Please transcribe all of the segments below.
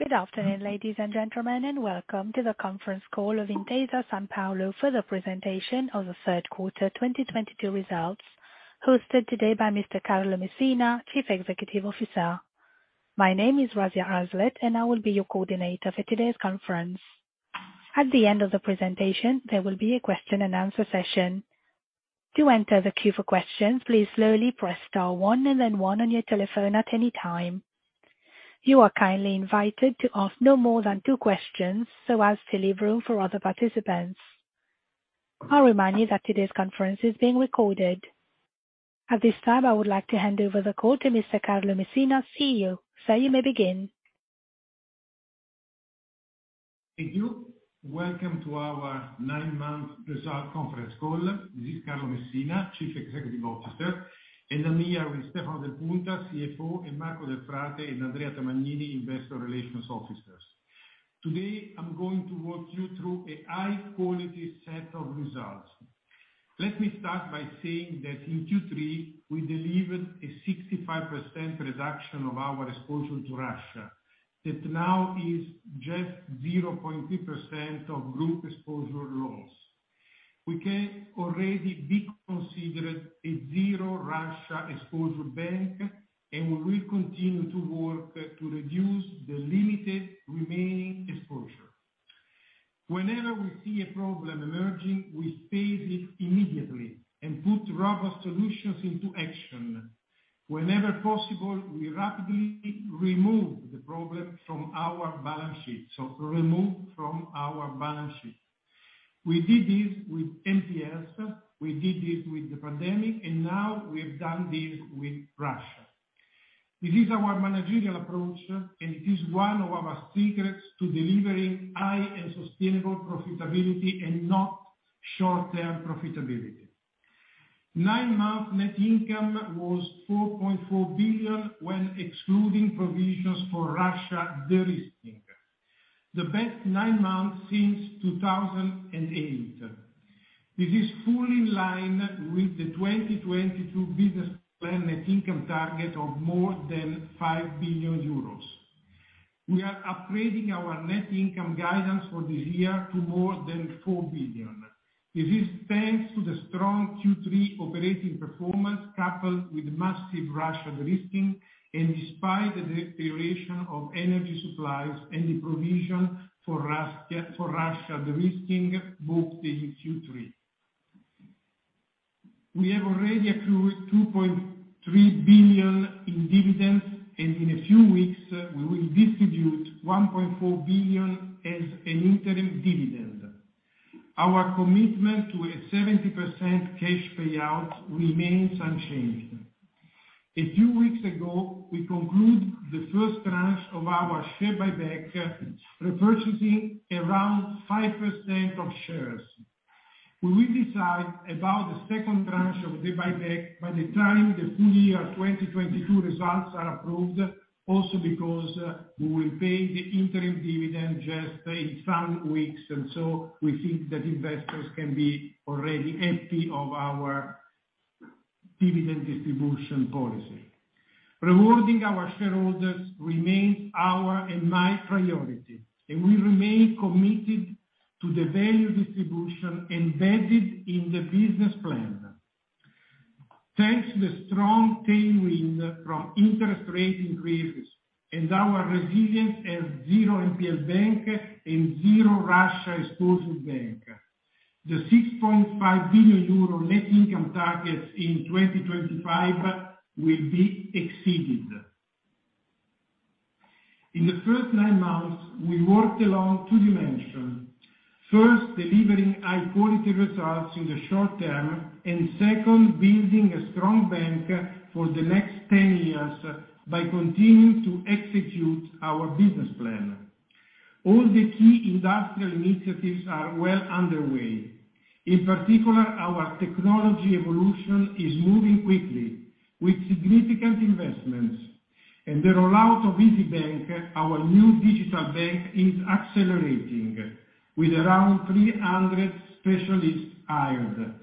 Good afternoon, ladies and gentlemen, and welcome to the conference call of Intesa Sanpaolo for the presentation of the third quarter 2022 results, hosted today by Mr. Carlo Messina, Chief Executive Officer. My name is Razia Azlet, and I will be your coordinator for today's conference. At the end of the presentation, there will be a question-and-answer session. To enter the queue for questions, please slowly press star one and then one on your telephone at any time. You are kindly invited to ask no more than two questions so as to leave room for other participants. I'll remind you that today's conference is being recorded. At this time, I would like to hand over the call to Mr. Carlo Messina, CEO. Sir, you may begin. Thank you. Welcome to our nine-month result conference call. This is Carlo Messina, Chief Executive Officer, and I'm here with Stefano Del Punta, CFO, and Marco Delfrate and Andrea Tamagnini, Investor Relations Officers. Today, I'm going to walk you through a high-quality set of results. Let me start by saying that in Q3, we delivered a 65% reduction of our exposure to Russia. That now is just 0.2% of group exposure loss. We can already be considered a zero Russia exposure bank, and we will continue to work to reduce the limited remaining exposure. Whenever we see a problem emerging, we face it immediately and put robust solutions into action. Whenever possible, we rapidly remove the problem from our balance sheet, so remove from our balance sheet. We did this with NPLs, we did this with the pandemic, and now we have done this with Russia. This is our managerial approach, and it is one of our secrets to delivering high and sustainable profitability and not short-term profitability. Nine-month net income was 4.4 billion when excluding provisions for Russia de-risking. The best nine months since 2008. This is fully in line with the 2022 business plan net income target of more than 5 billion euros. We are upgrading our net income guidance for this year to more than 4 billion. This is thanks to the strong Q3 operating performance coupled with massive Russia de-risking and despite the deterioration of energy supplies and the provision for Russia de-risking, both in Q3. We have already accrued 2.3 billion in dividends, and in a few weeks, we will distribute 1.4 billion as an interim dividend. Our commitment to a 70% cash payout remains unchanged. A few weeks ago, we concluded the first tranche of our share buyback, repurchasing around 5% of shares. We will decide about the second tranche of the buyback by the time the full year 2022 results are approved, also because we will pay the interim dividend just in some weeks, and so we think that investors can be already happy with our dividend distribution policy. Rewarding our shareholders remains our and my priority, and we remain committed to the value distribution embedded in the business plan. Thanks to the strong tailwind from interest rate increases and our resilience as zero NPL bank and zero Russia exposure bank, the 6.5 billion euro net income target in 2025 will be exceeded. In the first nine months, we worked along two dimensions. First, delivering high-quality results in the short term, and second, building a strong bank for the next 10 years by continuing to execute our business plan. All the key industrial initiatives are well underway. In particular, our technology evolution is moving quickly with significant investments. The rollout of Isybank, our new digital bank, is accelerating with around 300 specialists hired.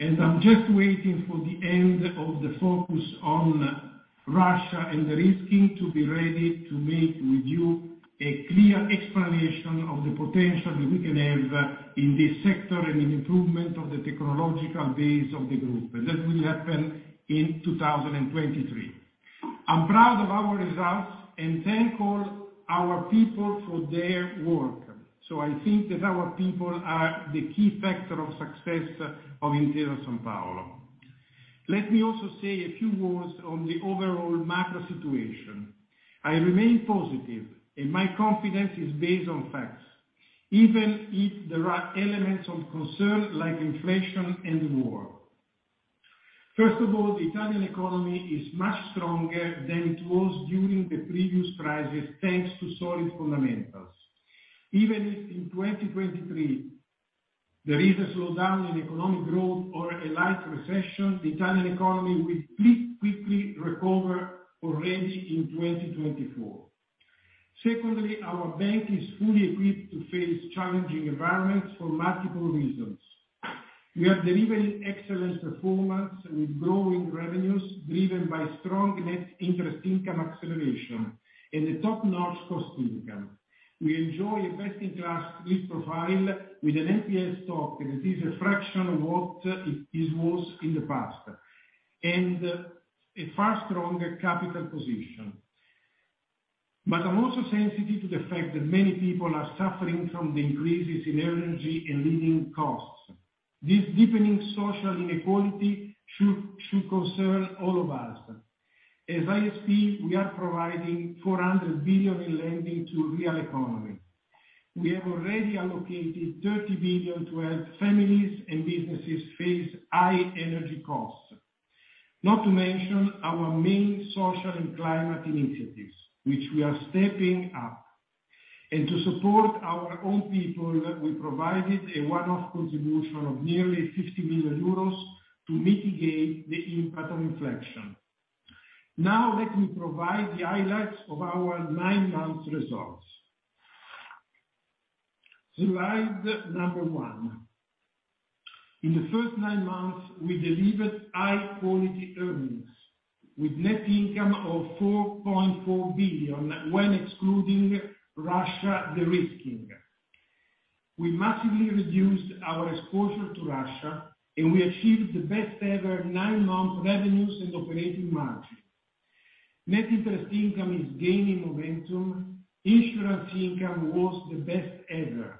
I'm just waiting for the end of the focus on Russia and de-risking to be ready to make with you a clear explanation of the potential that we can have in this sector and in improvement of the technological base of the group. That will happen in 2023. I'm proud of our results and thank all our people for their work. I think that our people are the key factor of success of Intesa Sanpaolo. Let me also say a few words on the overall macro situation. I remain positive, and my confidence is based on facts, even if there are elements of concern like inflation and war. First of all, the Italian economy is much stronger than it was during the previous crisis, thanks to solid fundamentals. Even if in 2023 there is a slowdown in economic growth or a light recession, the Italian economy will quickly recover already in 2024. Secondly, our bank is fully equipped to face challenging environments for multiple reasons. We are delivering excellent performance with growing revenues driven by strong net interest income acceleration and the top-notch cost income. We enjoy a best-in-class risk profile with an NPL stock that is a fraction of what it was in the past, and a far stronger capital position. I'm also sensitive to the fact that many people are suffering from the increases in energy and living costs. This deepening social inequality should concern all of us. As ISP, we are providing 400 billion in lending to real economy. We have already allocated 30 billion to help families and businesses face high energy costs, not to mention our main social and climate initiatives, which we are stepping up. To support our own people, we provided a one-off contribution of nearly 50 million euros to mitigate the impact of inflation. Now let me provide the highlights of our nine-month results. Slide number one. In the first nine months, we delivered high quality earnings with net income of 4.4 billion when excluding Russia de-risking. We massively reduced our exposure to Russia, and we achieved the best ever nine month revenues and operating margin. Net interest income is gaining momentum. Insurance income was the best ever.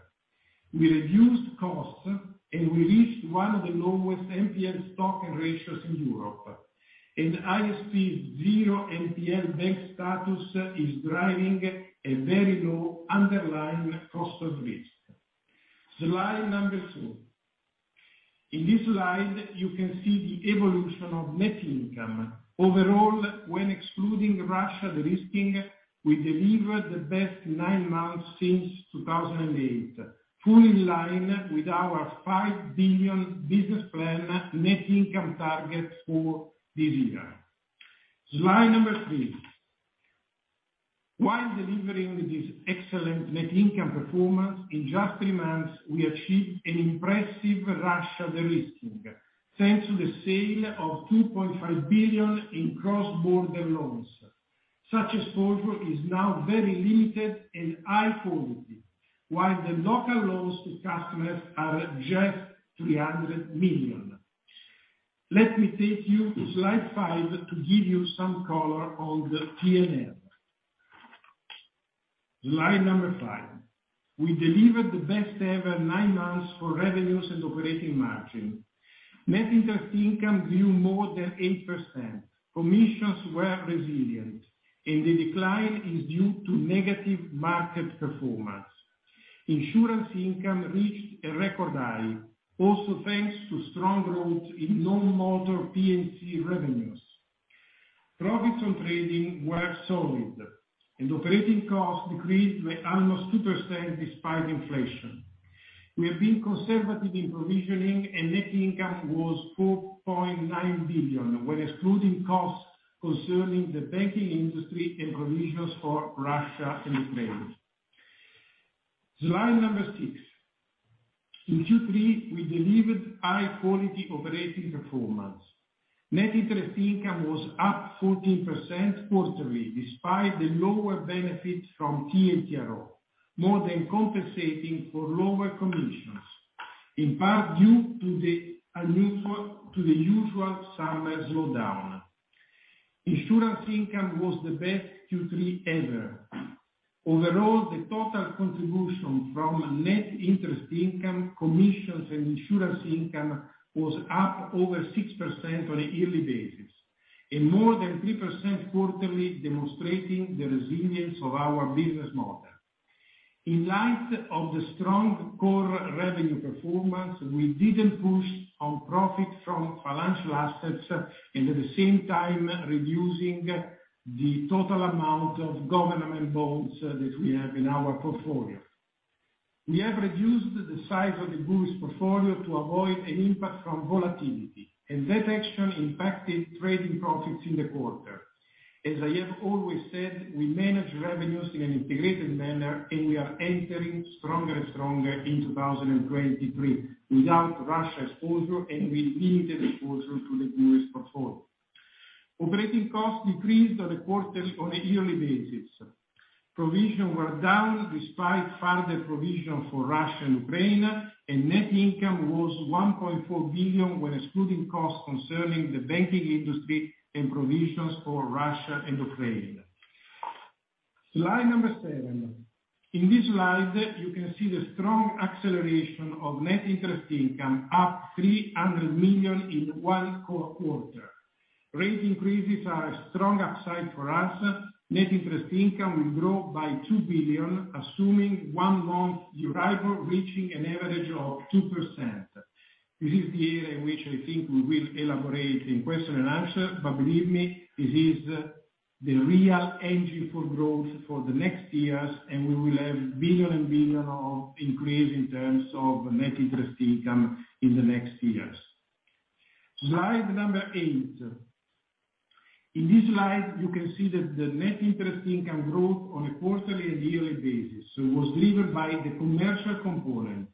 We reduced costs, and we reached one of the lowest NPL stock ratios in Europe. ISP's zero NPL bank status is driving a very low underlying cost of risk. Slide number two. In this slide, you can see the evolution of net income. Overall, when excluding Russia de-risking, we delivered the best nine months since 2008, fully in line with our 5 billion business plan net income target for this year. Slide number three. While delivering this excellent net income performance, in just three months we achieved an impressive Russia de-risking, thanks to the sale of 2.5 billion in cross-border loans. Such exposure is now very limited and high quality. While the local loans to customers are just 300 million. Let me take you to slide five to give you some color on the P&L. Slide number five. We delivered the best ever nine months for revenues and operating margin. Net interest income grew more than 8%. Commissions were resilient, and the decline is due to negative market performance. Insurance income reached a record high, also thanks to strong growth in non-motor P&C revenues. Profits on trading were solid, and operating costs decreased by almost 2% despite inflation. We have been conservative in provisioning, and net income was 4.9 billion, when excluding costs concerning the banking industry and provisions for Russia and Ukraine. Slide six. In Q3, we delivered high quality operating performance. Net interest income was up 14% quarterly despite the lower benefit from TLTRO, more than compensating for lower commissions, in part due to the usual summer slowdown. Insurance income was the best Q3 ever. Overall, the total contribution from net interest income, commissions, and insurance income was up over 6% on a yearly basis and more than 3% quarterly, demonstrating the resilience of our business model. In light of the strong core revenue performance, we didn't push on profit from financial assets and at the same time reducing the total amount of government bonds that we have in our portfolio. We have reduced the size of the bond portfolio to avoid an impact from volatility, and that action impacted trading profits in the quarter. As I have always said, we manage revenues in an integrated manner, and we are entering stronger and stronger in 2023 without Russia exposure and with limited exposure to the US portfolio. Operating costs decreased quarter-on-quarter on a yearly basis. Provisions were down despite further provision for Russia and Ukraine, and net income was 1.4 billion when excluding costs concerning the banking industry and provisions for Russia and Ukraine. Slide seven. In this slide, you can see the strong acceleration of net interest income, up 300 million in one quarter. Rate increases are a strong upside for us. Net interest income will grow by 2 billion, assuming one-month Euribor reaching an average of 2%. This is the area in which I think we will elaborate in question and answer, but believe me, this is the real engine for growth for the next years, and we will have billion and billion of increase in terms of net interest income in the next years. Slide number eight. In this slide, you can see that the net interest income growth on a quarterly and yearly basis was driven by the commercial component,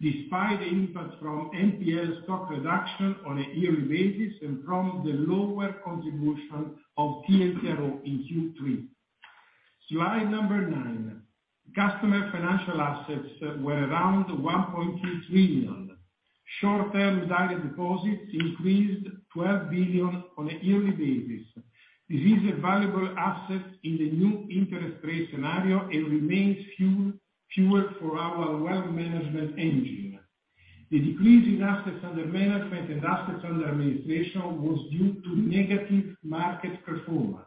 despite the impact from NPL stock reduction on a yearly basis and from the lower contribution of TLTRO in Q3. Slide number nine. Customer financial assets were around 1.3 trillion. Short-term desired deposits increased 12 billion on a yearly basis. This is a valuable asset in the new interest rate scenario, and remains fuel for our wealth management engine. The decrease in assets under management and assets under administration was due to negative market performance.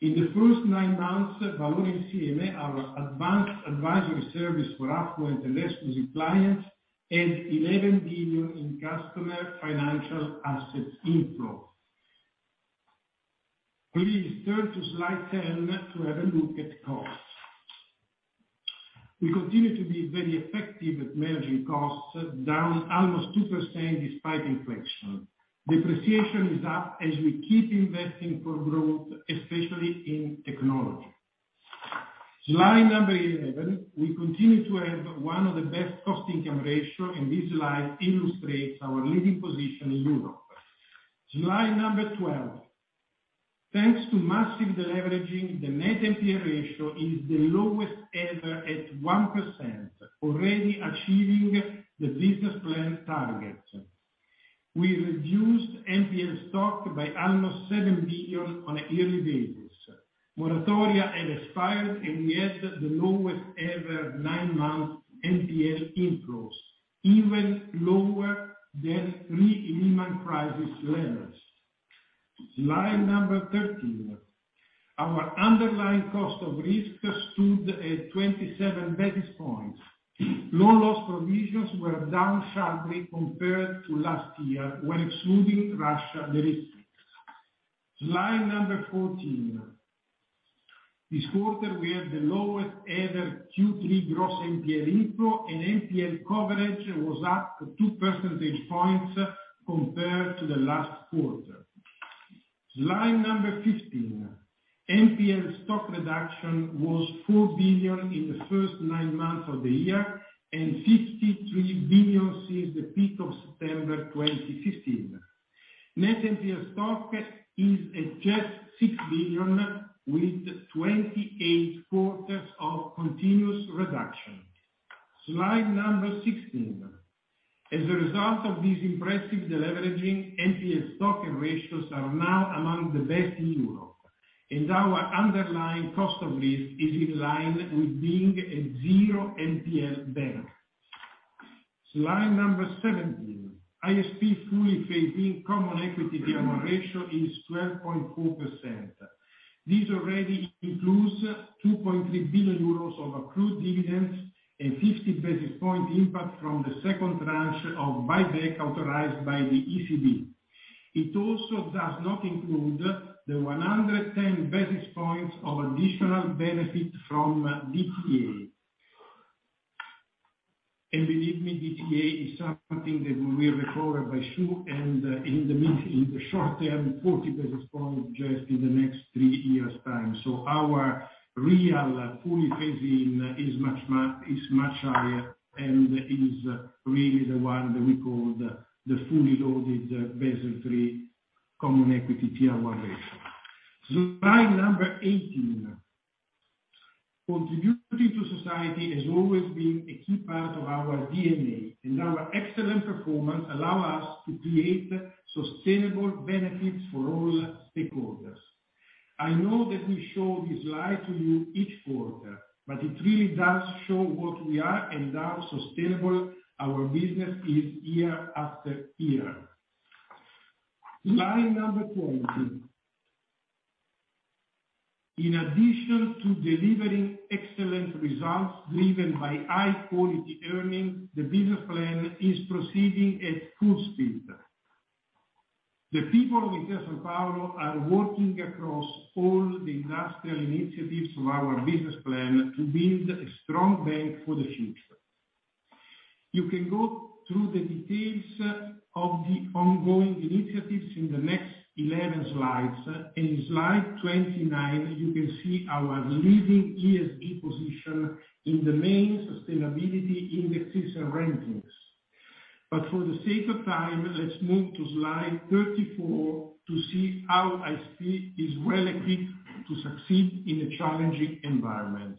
In the first nine months, Valore Insieme, our advanced advisory service for affluent and less risky clients, had 11 billion in customer financial assets inflow. Please turn to slide 10 to have a look at costs. We continue to be very effective at managing costs, down almost 2% despite inflation. Depreciation is up as we keep investing for growth, especially in technology. Slide number 11. We continue to have one of the best cost-income ratio, and this slide illustrates our leading position in Europe. Slide number 12. Thanks to massive deleveraging, the net NPL ratio is the lowest ever at 1%, already achieving the business plan targets. We reduced NPL stock by almost 7 billion on a yearly basis. Moratoria has expired, and we had the lowest ever nine-month NPL inflows, even lower than pre-Lehman crisis levels. Slide number 13. Our underlying cost of risk stood at 27 basis points. Loan loss provisions were down sharply compared to last year when excluding Russia derivatives. Slide number 14. This quarter, we had the lowest ever Q3 gross NPL inflow, and NPL coverage was up two percentage points compared to the last quarter. Slide number 15. NPL stock reduction was 4 billion in the first nine months of the year and 53 billion since the peak of September 2015. Net NPL stock is at just 6 billion, with 28 quarters of continuous reduction. Slide number 16. As a result of this impressive deleveraging, NPL stock and ratios are now among the best in Europe, and our underlying cost of risk is in line with being a zero NPL bank. Slide 17. ISP fully phased Common Equity Tier 1 ratio is 12.4%. This already includes 2.3 billion euros of accrued dividends and 50 basis points impact from the second tranche of buyback authorized by the ECB. It also does not include the 110 basis points of additional benefit from DTA. Believe me, DTA is something that will be recovered by [SHU] and in the short term, 40 basis points just in the next three years' time. Our real fully phasing is much higher, and is really the one that we call the fully loaded Basel III common equity tier one ratio. Slide number 18. Contributing to society has always been a key part of our DNA, and our excellent performance allow us to create sustainable benefits for all stakeholders. I know that we show this slide to you each quarter, but it really does show what we are and how sustainable our business is year after year. Slide number 20. In addition to delivering excellent results driven by high-quality earnings, the business plan is proceeding at full speed. The people of Intesa Sanpaolo are working across all the industrial initiatives of our business plan to build a strong bank for the future. You can go through the details of the ongoing initiatives in the next 11 slides. In slide 29, you can see our leading ESG position in the main sustainability indexes and rankings. For the sake of time, let's move to slide 34 to see how ISP is well equipped to succeed in a challenging environment.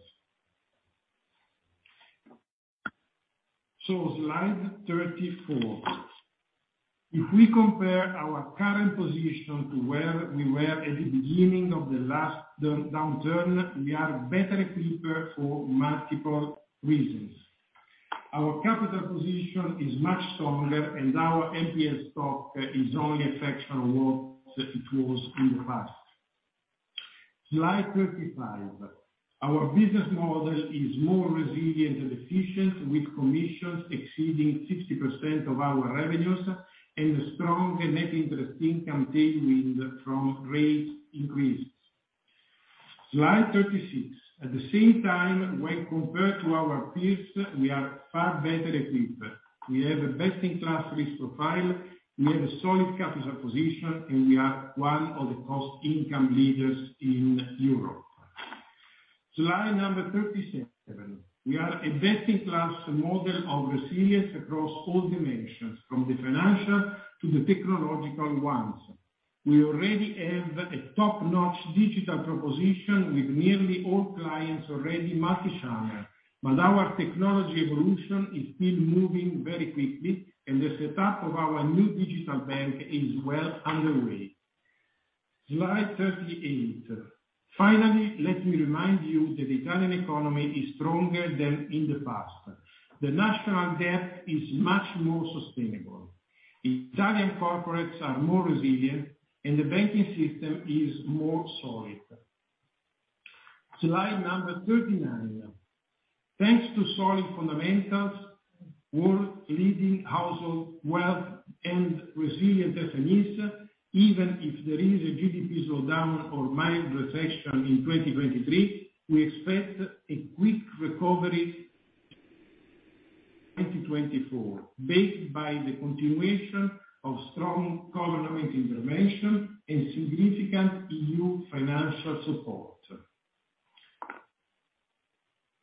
Slide 34. If we compare our current position to where we were at the beginning of the last downturn, we are better equipped for multiple reasons. Our capital position is much stronger, and our NPL stock is only a fraction of what it was in the past. Slide 35. Our business model is more resilient and efficient, with commissions exceeding 60% of our revenues and a strong net interest income tailwind from rate increase. Slide 36. At the same time, when compared to our peers, we are far better equipped. We have a best-in-class risk profile, we have a solid capital position, and we are one of the cost-income leaders in Europe. Slide number 37. We are a best-in-class model of resilience across all dimensions, from the financial to the technological ones. We already have a top-notch digital proposition with nearly all clients already multichannel. Our technology evolution is still moving very quickly, and the setup of our new digital bank is well underway. Slide 38. Finally, let me remind you that Italian economy is stronger than in the past. The national debt is much more sustainable. Italian corporates are more resilient, and the banking system is more solid. Slide number 39. Thanks to solid fundamentals, world-leading household wealth, and resilient SMEs, even if there is a GDP slowdown or mild recession in 2023, we expect a quick recovery in 2024, backed by the continuation of strong government intervention and significant EU financial support.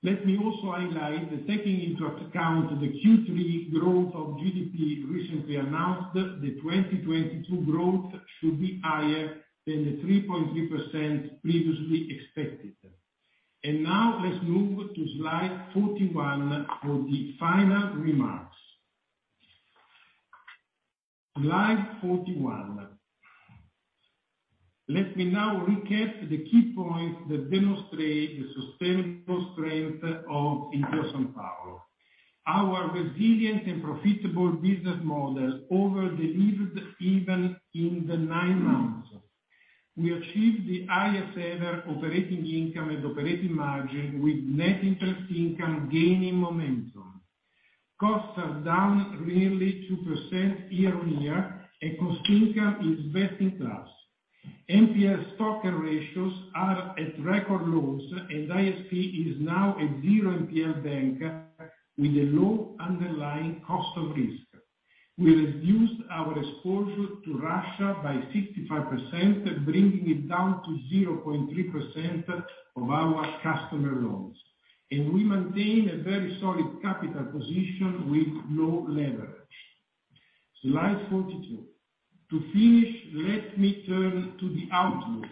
Let me also highlight that taking into account the Q3 growth of GDP recently announced, the 2022 growth should be higher than the 3.3% previously expected. Now, let's move to slide 41 for the final remarks. Slide 41. Let me now recap the key points that demonstrate the sustainable strength of Intesa Sanpaolo. Our resilient and profitable business model over-delivered even in the nine months. We achieved the highest ever operating income and operating margin, with net interest income gaining momentum. Costs are down nearly 2% year-on-year, and cost income is best in class. NPL stock ratios are at record lows, and ISP is now a zero NPL bank with a low underlying cost of risk. We reduced our exposure to Russia by 65%, bringing it down to 0.3% of our customer loans. We maintain a very solid capital position with low leverage. Slide 42. To finish, let me turn to the outlook.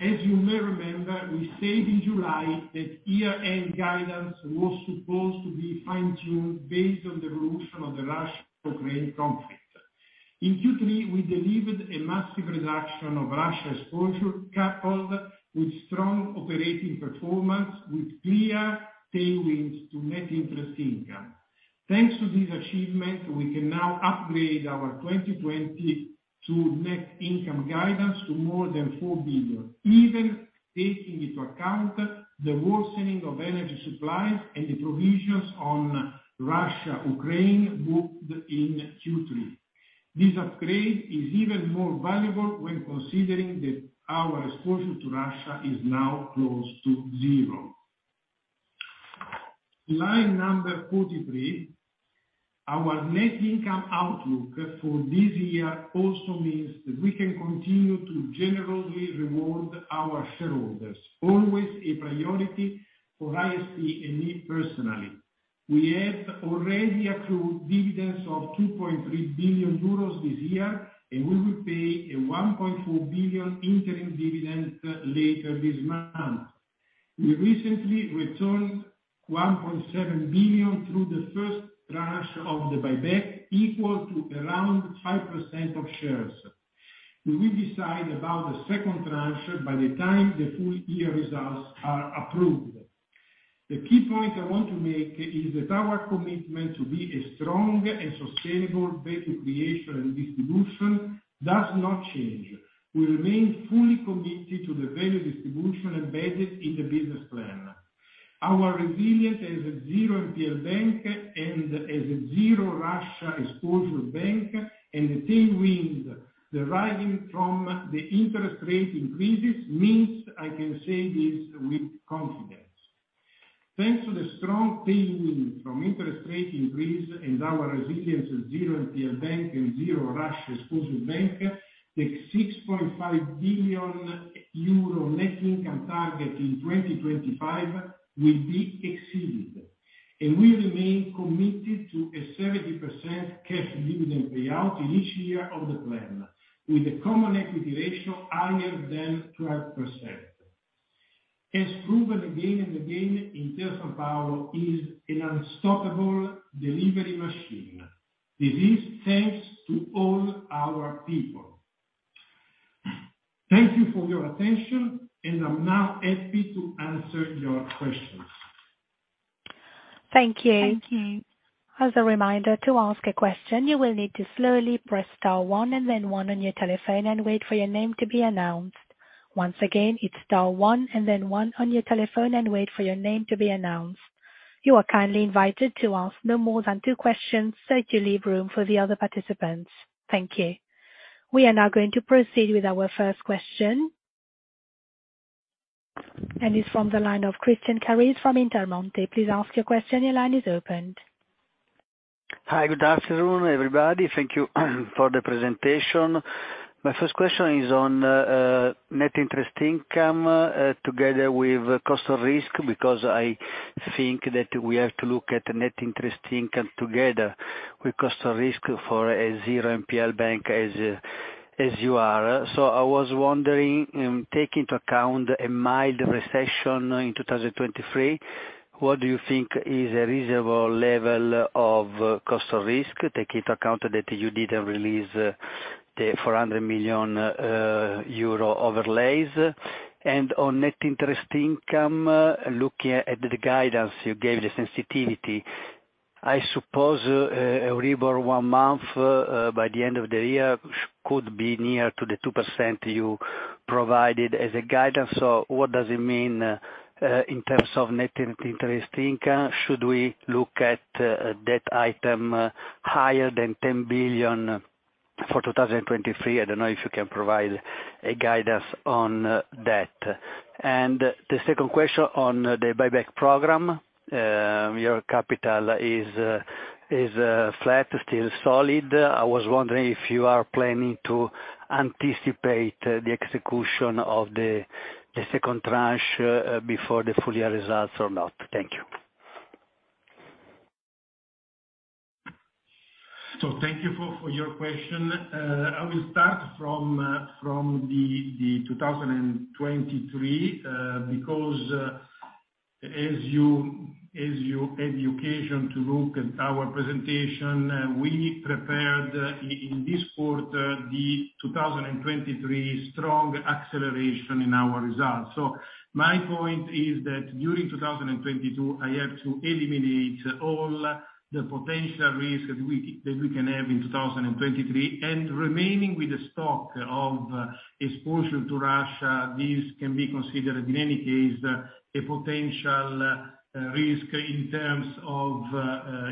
As you may remember, we said in July that year-end guidance was supposed to be fine-tuned based on the resolution of the Russia-Ukraine conflict. In Q3, we delivered a massive reduction of Russia exposure, coupled with strong operating performance with clear tailwinds to net interest income. Thanks to this achievement, we can now upgrade our 2022 net income guidance to more than 4 billion, even taking into account the worsening of energy supplies and the provisions on Russia-Ukraine booked in Q3. This upgrade is even more valuable when considering that our exposure to Russia is now close to zero. Slide number 43. Our net income outlook for this year also means that we can continue to generously reward our shareholders, always a priority for ISP and me personally. We have already accrued dividends of 2.3 billion euros this year, and we will pay a 1.4 billion interim dividend later this month. We recently returned 1.7 billion through the first tranche of the buyback, equal to around 5% of shares. We will decide about the second tranche by the time the full-year results are approved. The key point I want to make is that our commitment to be a strong and sustainable value creation and distribution does not change. We remain fully committed to the value distribution embedded in the business plan. Our resilience as a zero NPL bank and as a zero Russia exposure bank, and the tailwinds deriving from the interest rate increases means I can say this with confidence. Thanks to the strong tailwind from interest rate increase and our resilience as zero NPL bank and zero Russia exposure bank, the 6.5 billion euro net income target in 2025 will be exceeded. We remain committed to a 70% cash dividend payout in each year of the plan, with a common equity ratio higher than 12%. As proven again and again, Intesa Sanpaolo is an unstoppable delivery machine. This is thanks to all our people. Thank you for your attention, and I'm now happy to answer your questions. Thank you. As a reminder, to ask a question, you will need to slowly press star one and then one on your telephone and wait for your name to be announced. Once again, it's star one and then one on your telephone and wait for your name to be announced. You are kindly invited to ask no more than two questions, so to leave room for the other participants. Thank you. We are now going to proceed with our first question. It's from the line of Christian Caris from Intermonte. Please ask your question. Your line is opened. Hi. Good afternoon, everybody. Thank you for the presentation. My first question is on net interest income together with cost of risk, because I think that we have to look at net interest income together with cost of risk for a zero NPL bank as you are. I was wondering, take into account a mild recession in 2023, what do you think is a reasonable level of cost of risk, taking into account that you didn't release the 400 million euro overlays? And on net interest income, looking at the guidance, you gave the sensitivity, I suppose, Euribor one month by the end of the year could be near to the 2% you provided as a guidance. What does it mean in terms of net interest income? Should we look at that item higher than 10 billion for 2023? I don't know if you can provide guidance on that. The second question on the buyback program. Your capital is flat, still solid. I was wondering if you are planning to anticipate the execution of the second tranche before the full-year results or not. Thank you. Thank you for your question. I will start from the 2023, because as you had the occasion to look at our presentation, we prepared in this quarter the 2023 strong acceleration in our results. My point is that during 2022, I had to eliminate all the potential risk that we can have in 2023, and remaining with the stock of exposure to Russia, this can be considered in any case a potential risk in terms of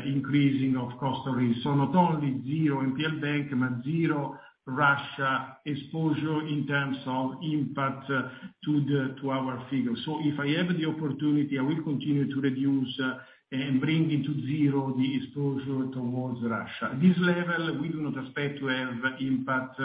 increasing of cost of risk. Not only zero NPL bank, but zero Russia exposure in terms of impact to our figures. If I have the opportunity, I will continue to reduce and bring it to zero the exposure towards Russia. This level we do not expect to have impact,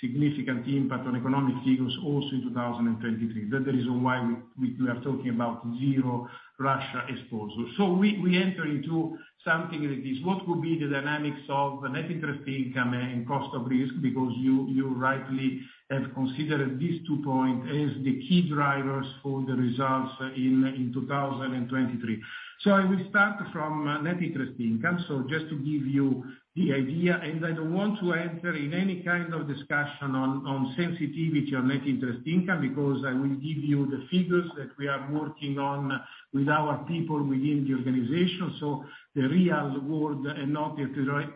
significant impact on economic figures also in 2023. That the reason why we are talking about zero Russia exposure. We enter into something like this. What will be the dynamics of net interest income and cost of risk, because you rightly have considered these two point as the key drivers for the results in 2023. I will start from net interest income, so just to give you the idea, and I don't want to enter in any kind of discussion on sensitivity on net interest income, because I will give you the figures that we are working on with our people within the organization, so the real world and not the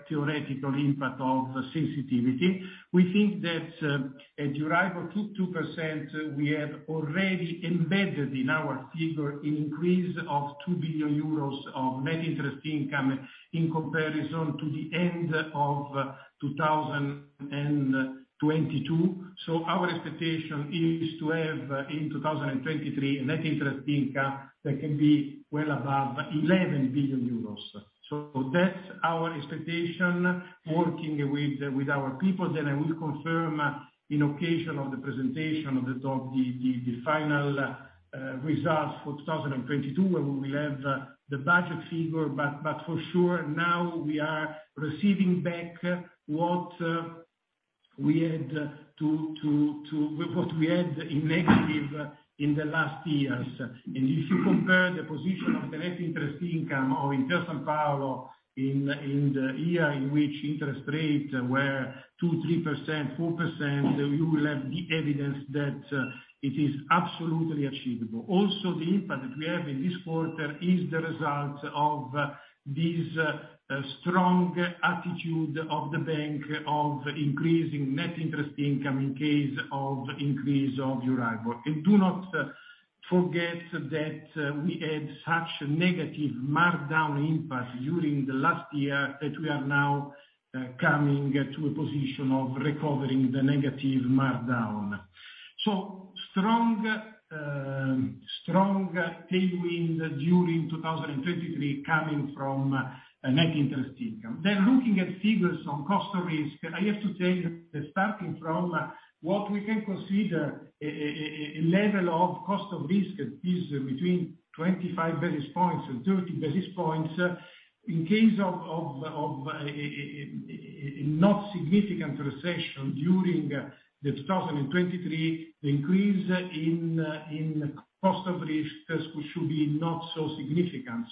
theoretical impact of sensitivity. We think that at Euribor 2% we have already embedded in our figure an increase of 2 billion euros of net interest income in comparison to the end of 2022. Our expectation is to have in 2023 a net interest income that can be well above 11 billion euros. That's our expectation working with our people. I will confirm in occasion of the presentation of the final results for 2022, where we will have the budget figure. For sure now we are receiving back what we had in negative in the last years. If you compare the position of the net interest income of Intesa Sanpaolo in the year in which interest rates were 2%, 3%, 4%, you will have the evidence that it is absolutely achievable. Also, the impact that we have in this quarter is the result of this strong attitude of the bank of increasing net interest income in case of increase of Euribor. Do not forget that we had such negative markdown impact during the last year that we are now coming to a position of recovering the negative markdown. Strong tailwind during 2023 coming from net interest income. Looking at figures on cost of risk, I have to say starting from what we can consider a level of cost of risk is between 25 basis points and 30 basis points. In case of a not significant recession during 2023, the increase in cost of risk should be not so significant.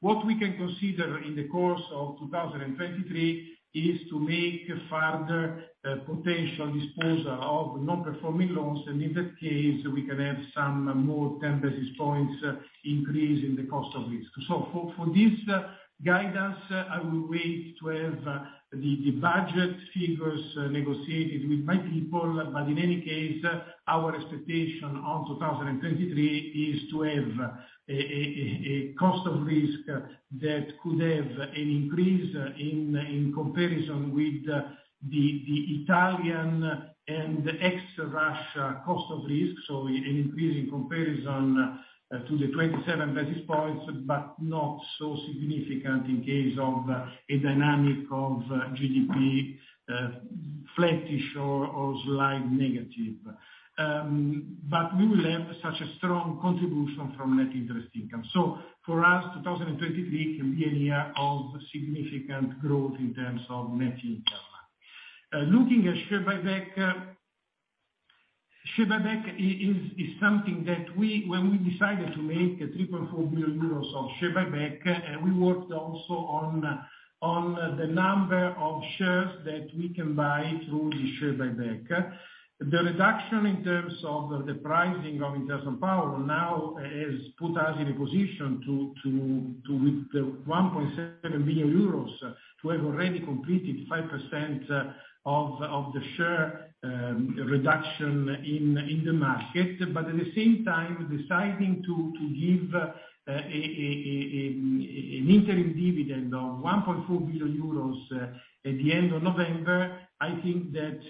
What we can consider in the course of 2023 is to make further potential disposal of non-performing loans. In that case, we can have some more 10 basis points increase in the cost of risk. For this guidance, I will wait to have the budget figures negotiated with my people. In any case, our expectation on 2023 is to have a cost of risk that could have an increase in comparison with the Italian and ex-Russia cost of risk. An increase in comparison to the 27 basis points, but not so significant in case of a dynamic of GDP, flattish or slight negative. We will have such a strong contribution from net interest income. For us, 2023 can be a year of significant growth in terms of net income. Looking at share buyback, share buyback is something that we, when we decided to make 3.4 billion euros of share buyback, we worked also on the number of shares that we can buy through the share buyback. The reduction in terms of the pricing of Intesa Sanpaolo now has put us in a position to with the 1.7 billion euros to have already completed 5% of the share reduction in the market. At the same time, deciding to give an interim dividend of 1.4 billion euros at the end of November, I think that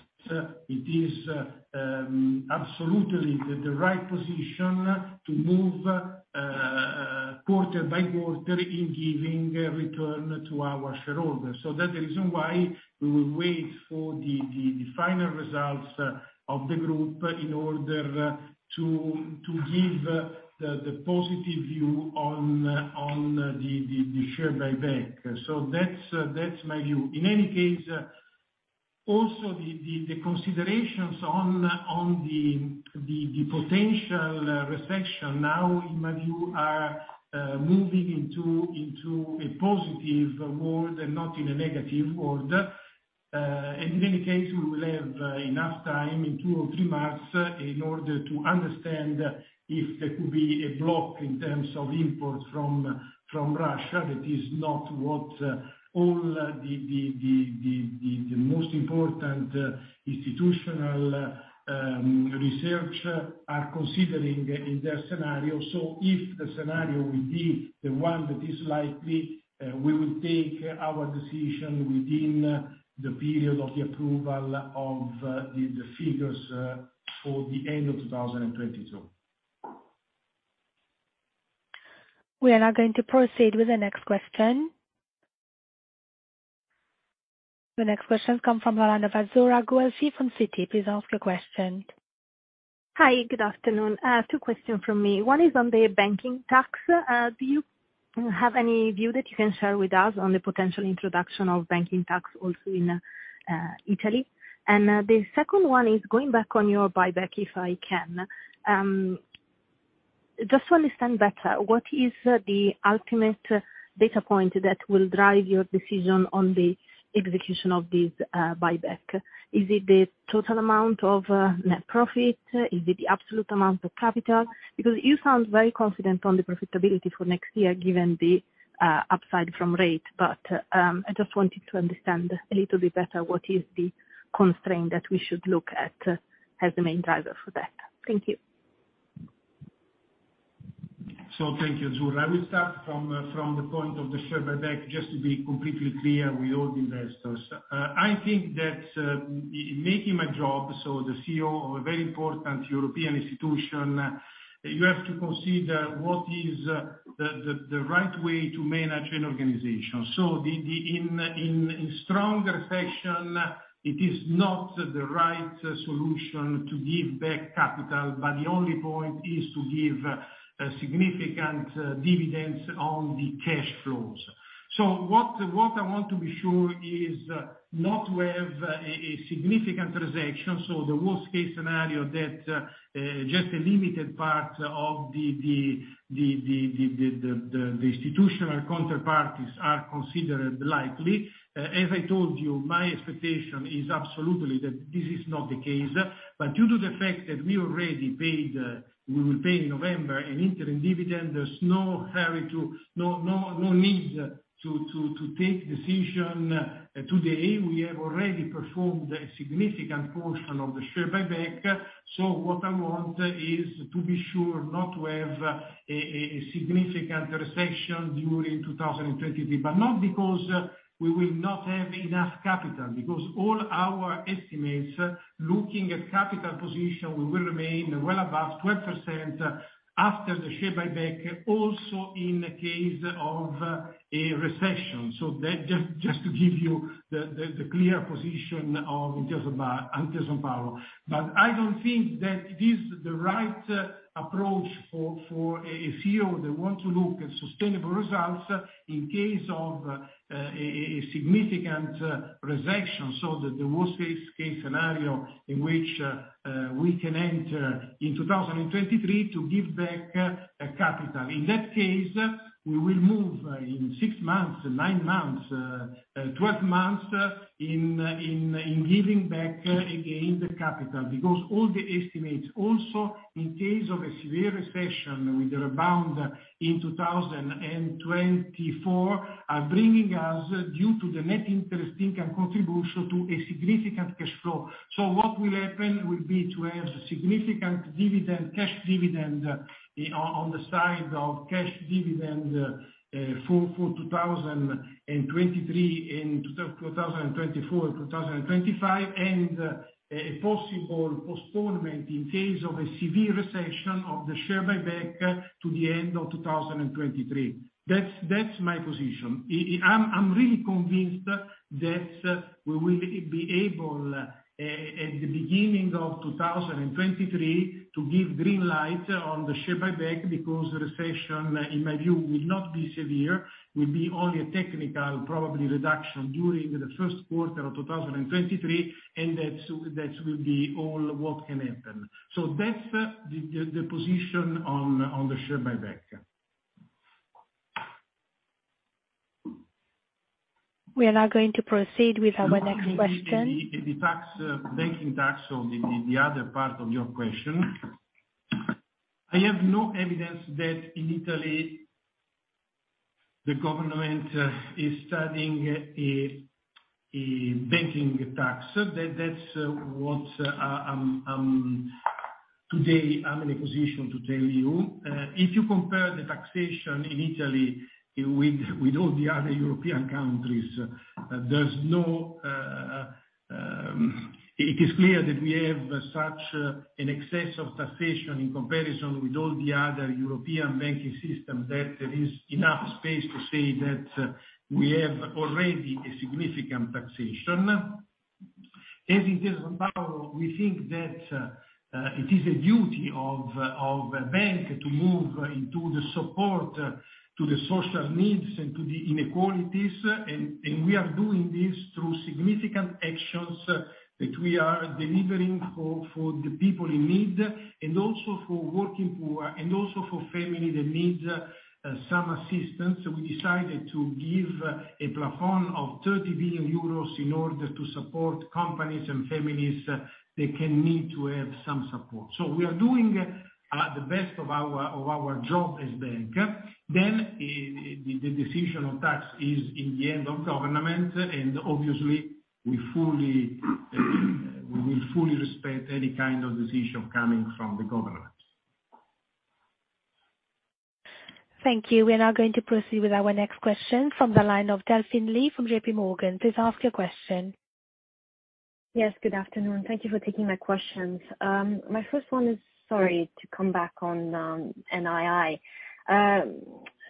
it is absolutely the right position to move quarter by quarter in giving a return to our shareholders. That's the reason why we will wait for the final results of the group in order to give the positive view on the share buyback. That's my view. In any case, also the considerations on the potential recession now in my view are moving into a positive world and not in a negative world. In any case, we will have enough time in two or three months in order to understand if there could be a block in terms of imports from Russia. That is not what all the most important institutional research are considering in their scenario. If the scenario will be the one that is likely, we will take our decision within the period of the approval of the figures for the end of 2022. We are now going to proceed with the next question. The next question come from Azzurra Guelfi from Citi. Please ask your question. Hi, good afternoon. Two questions from me. One is on the banking tax. Do you have any view that you can share with us on the potential introduction of banking tax also in Italy? The second one is going back on your buyback, if I can. Just to understand better, what is the ultimate data point that will drive your decision on the execution of this buyback? Is it the total amount of net profit? Is it the absolute amount of capital? Because you sound very confident on the profitability for next year, given the upside from rate. I just wanted to understand a little bit better what is the constraint that we should look at as the main driver for that. Thank you. Thank you, Azzurra. I will start from the point of the share buyback just to be completely clear with all investors. I think that in making my job, as the CEO of a very important European institution, you have to consider what is the right way to manage an organization. In strong recession, it is not the right solution to give back capital, but the only point is to give significant dividends on the cash flows. What I want to be sure is not to have a significant recession. The worst-case scenario that just a limited part of the institutional counterparties are considered likely. As I told you, my expectation is absolutely that this is not the case. Due to the fact that we already paid, we will pay in November an interim dividend, there's no hurry to, no need to take decision today. We have already performed a significant portion of the share buyback. What I want is to be sure not to have a significant recession during 2023, but not because we will not have enough capital, because all our estimates, looking at capital position, we will remain well above 12% after the share buyback, also in the case of a recession. That just to give you the clear position of Intesa Sanpaolo. I don't think that it is the right approach for a CEO that want to look at sustainable results in case of a significant recession, so the worst-case scenario in which we can enter in 2023 to give back capital. In that case, we will move in six months, nine months, 12 months in giving back again the capital because all the estimates also in case of a severe recession with a rebound in 2024 are bringing us, due to the net interest income contribution, to a significant cash flow. What will happen will be to have significant dividend, cash dividend on the side of cash dividend for 2023 and 2024, 2025, and a possible postponement in case of a severe recession of the share buyback to the end of 2023. That's my position. I'm really convinced that we will be able at the beginning of 2023 to give green light on the share buyback because recession, in my view, will not be severe, will be only a technical probably reduction during the first quarter of 2023, and that will be all what can happen. That's the position on the share buyback. We are now going to proceed with our next question. The banking tax or the other part of your question. I have no evidence that in Italy the government is studying a banking tax. That's what today I'm in a position to tell you. If you compare the taxation in Italy with all the other European countries, there's no. It is clear that we have such an excess of taxation in comparison with all the other European banking system, that there is enough space to say that we have already a significant taxation. As it is our power, we think that it is a duty of a bank to move into the support to the social needs and to the inequalities, and we are doing this through significant actions that we are delivering for the people in need, and also for working poor, and also for family that need some assistance. We decided to give a plafond of 30 billion euros in order to support companies and families that can need to have some support. We are doing the best of our job as bank. The decision on tax is in the hands of the government, and obviously we will fully respect any kind of decision coming from the government. Thank you. We are now going to proceed with our next question from the line of Delphine Lee from JPMorgan. Please ask your question. Yes, good afternoon. Thank you for taking my questions. My first one is sorry to come back on NII.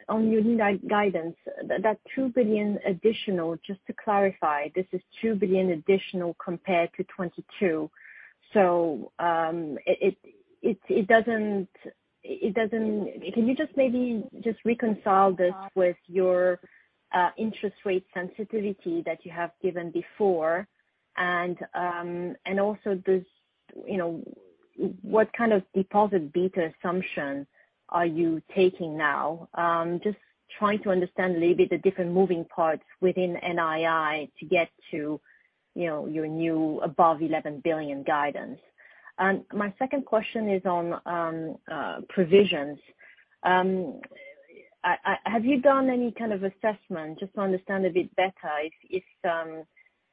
On your guidance, that 2 billion additional, just to clarify, this is 2 billion additional compared to 2022. Can you just maybe just reconcile this with your interest rate sensitivity that you have given before? And also, you know, what kind of deposit beta assumption are you taking now? Just trying to understand a little bit the different moving parts within NII to get to, you know, your new above 11 billion guidance. My second question is on provisions. Have you done any kind of assessment, just to understand a bit better,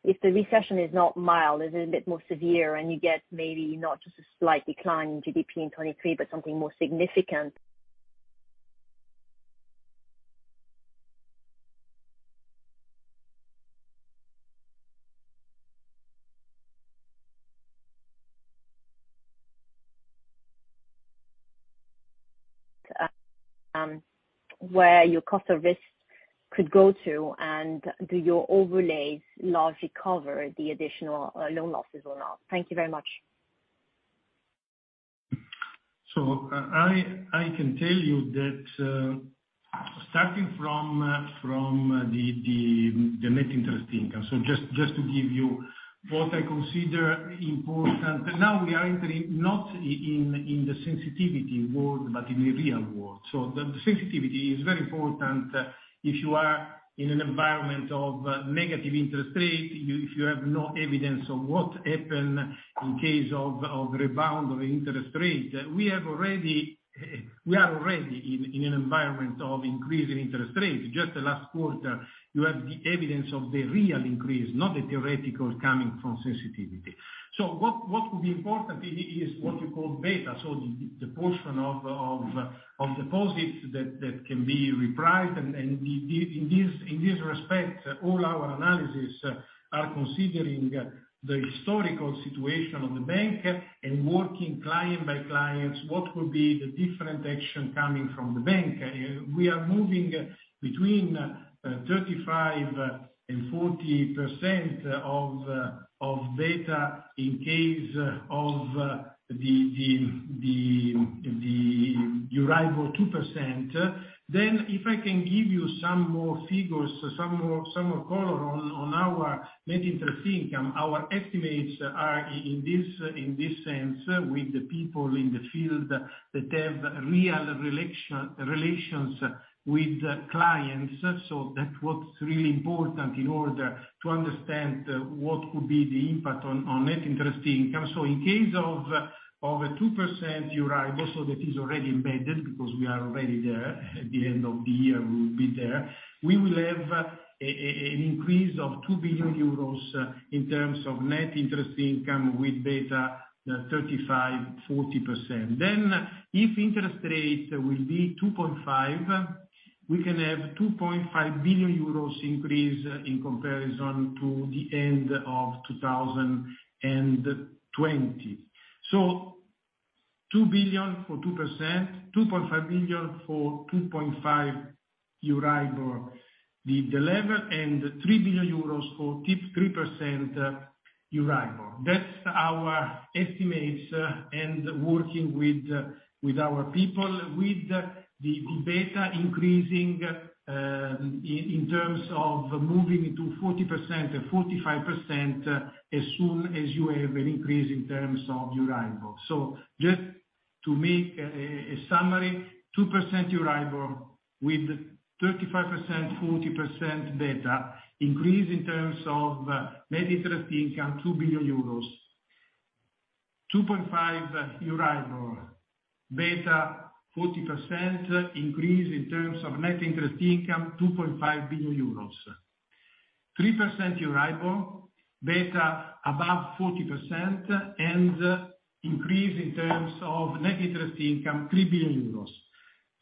if the recession is not mild, is it a bit more severe and you get maybe not just a slight decline in GDP in 2023, but something more significant? Where your cost of risk could go to, and do your overlays largely cover the additional loan losses or not? Thank you very much. I can tell you that, starting from the net interest income, just to give you what I consider important. Now we are entering not in the sensitivity world, but in the real world. The sensitivity is very important. If you are in an environment of negative interest rate, if you have no evidence of what happened in case of rebound of interest rate, we are already in an environment of increasing interest rates. Just the last quarter you have the evidence of the real increase, not the theoretical coming from sensitivity. What could be important is what you call beta, so the portion of deposits that can be repriced and in this respect, all our analysis are considering the historical situation of the bank and working client by client, what could be the different action coming from the bank. We are moving between 35%-40% of beta in case of the Euribor 2%. If I can give you some more figures, some more color on our net interest income, our estimates are in this sense with the people in the field that have real relations with clients. That's what's really important in order to understand what could be the impact on net interest income. In case of a 2% Euribor, that is already embedded because we are already there, at the end of the year we will be there. We will have an increase of 2 billion euros in terms of net interest income with beta 35%-40%. If interest rate will be 2.5%, we can have 2.5 billion euros increase in comparison to the end of 2020. Two billion for 2%, 2.5 billion for 2.5% Euribor, the level, and 3 billion euros for 3% Euribor. That's our estimates and working with our people with the beta increasing, in terms of moving into 40% or 45% as soon as you have an increase in terms of Euribor. Just to make a summary, 2% Euribor with 35%, 40% beta increase in terms of net interest income EUR 2 billion. 2.5 Euribor, beta 40% increase in terms of net interest income, 2.5 billion euros. 3% Euribor, beta above 40% and increase in terms of net interest income, 3 billion euros.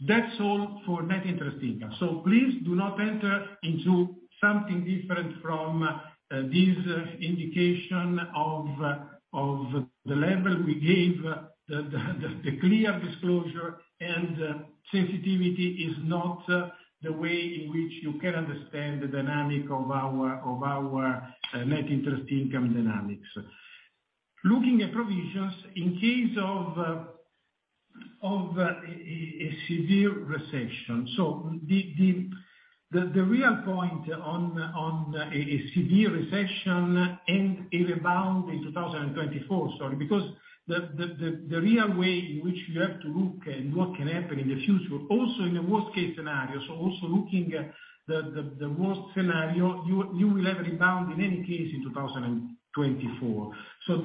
That's all for net interest income. Please do not enter into something different from this indication of the level we gave. The clear disclosure and sensitivity is not the way in which you can understand the dynamic of our net interest income dynamics. Looking at provisions, in case of a severe recession. The real point on a severe recession and a rebound in 2024, sorry, because the real way in which you have to look and what can happen in the future, also in a worst-case scenario, also looking at the worst scenario, you will have a rebound in any case in 2024.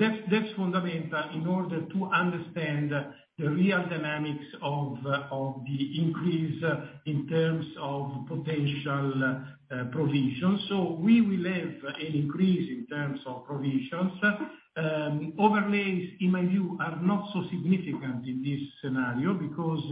That's fundamental in order to understand the real dynamics of the increase in terms of potential provision. We will have an increase in terms of provisions. Overlays, in my view, are not so significant in this scenario because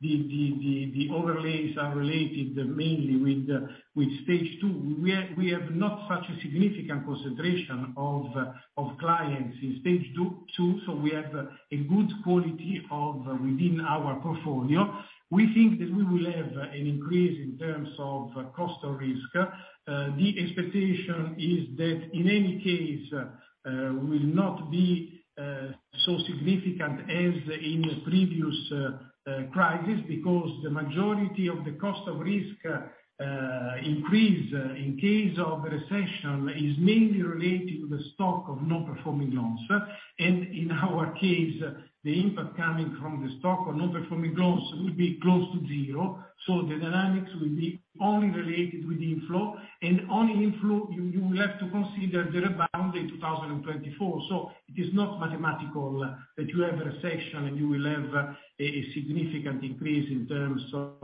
the overlays are related mainly with Stage 2. We have not such a significant concentration of clients in Stage 2, so we have a good quality within our portfolio. We think that we will have an increase in terms of cost of risk. The expectation is that in any case will not be so significant as in previous crisis. Because the majority of the cost of risk increase in case of a recession is mainly related to the stock of non-performing loans. In our case, the impact coming from the stock of non-performing loans will be close to zero. The dynamics will be only related with inflow. On inflow, you will have to consider the rebound in 2024. It is not mathematical that you have a recession, and you will have a significant increase in terms of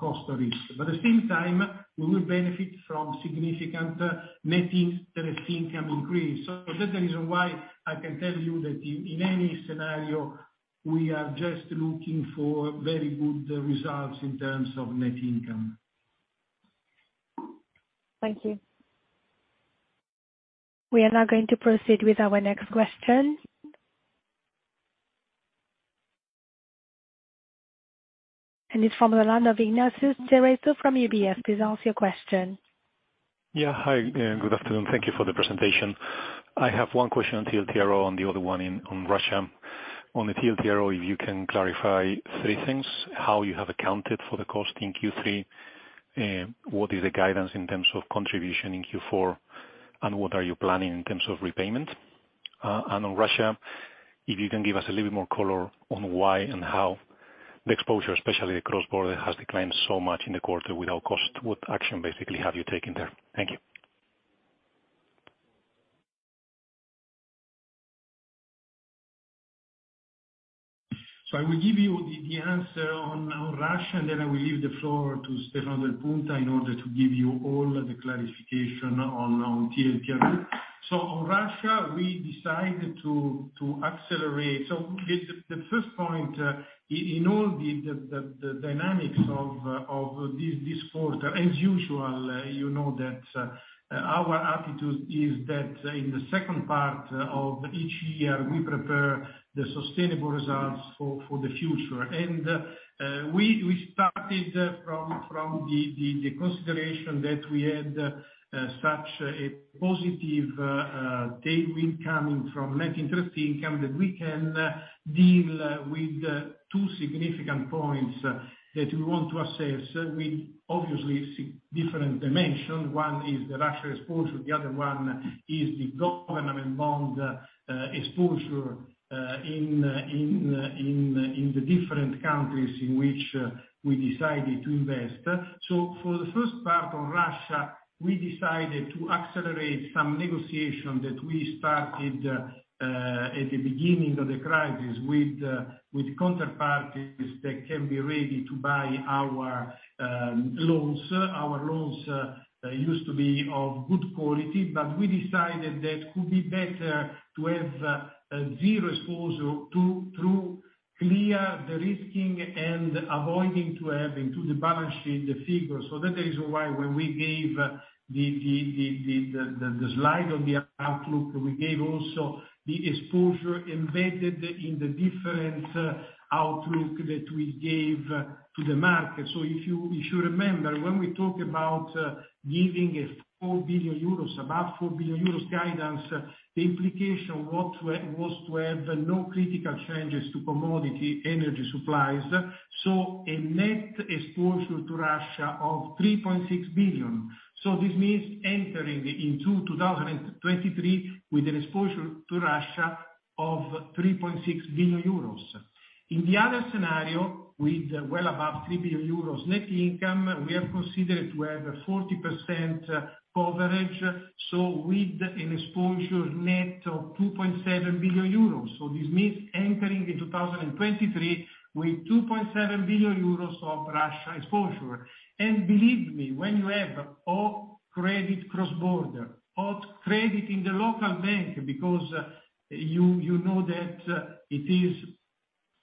cost of risk. At the same time, we will benefit from significant net interest income increase. That's the reason why I can tell you that in any scenario, we are just looking for very good results in terms of net income. Thank you. We are now going to proceed with our next question. It's from Ignacio Cerezo from UBS. Please ask your question. Yeah. Hi, good afternoon. Thank you for the presentation. I have one question on TLTRO and the other one on Russia. On the TLTRO, if you can clarify three things, how you have accounted for the cost in Q3, what is the guidance in terms of contribution in Q4, and what are you planning in terms of repayment? And on Russia, if you can give us a little bit more color on why and how the exposure, especially the cross-border, has declined so much in the quarter without cost. What action basically have you taken there? Thank you. I will give you the answer on Russia, and then I will leave the floor to Stefano Del Punta in order to give you all the clarification on TLTRO. On Russia, we decided to accelerate. The first point in all the dynamics of this quarter, as usual, you know that our attitude is that in the second part of each year, we prepare the sustainable results for the future. We started from the consideration that we had such a positive tailwind coming from net interest income, that we can deal with two significant points that we want to assess with obviously different dimension. One is the Russia exposure, the other one is the government bond exposure in the different countries in which we decided to invest. For the first part on Russia, we decided to accelerate some negotiation that we started at the beginning of the crisis with counterparties that can be ready to buy our loans. Our loans used to be of good quality, but we decided that could be better to have zero exposure to, through de-risking and avoiding having on the balance sheet the figure. That is why when we gave the slide on the outlook, we gave also the exposure embedded in the different outlook that we gave to the market. If you remember, when we talk about giving about 4 billion euros guidance, the implication was to have no critical changes to commodity energy supplies. A net exposure to Russia of 3.6 billion. This means entering into 2023 with an exposure to Russia of 3.6 billion euros. In the other scenario, with well above 3 billion euros net income, we have considered to have a 40% coverage, so with a net exposure of 2.7 billion euros. This means entering in 2023 with 2.7 billion euros of Russia exposure. Believe me, when you have all credit cross-border, all credit in the local bank, because you know that it is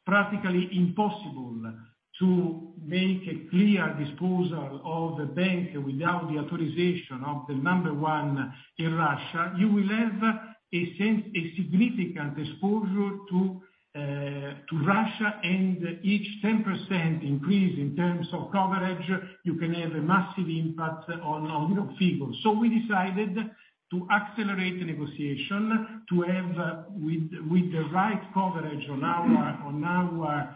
practically impossible to make a clear disposal of the bank without the authorization of the number one in Russia, you will have a significant exposure to Russia, and each 10% increase in terms of coverage, you can have a massive impact on your figures. We decided to accelerate the negotiation to have with the right coverage on our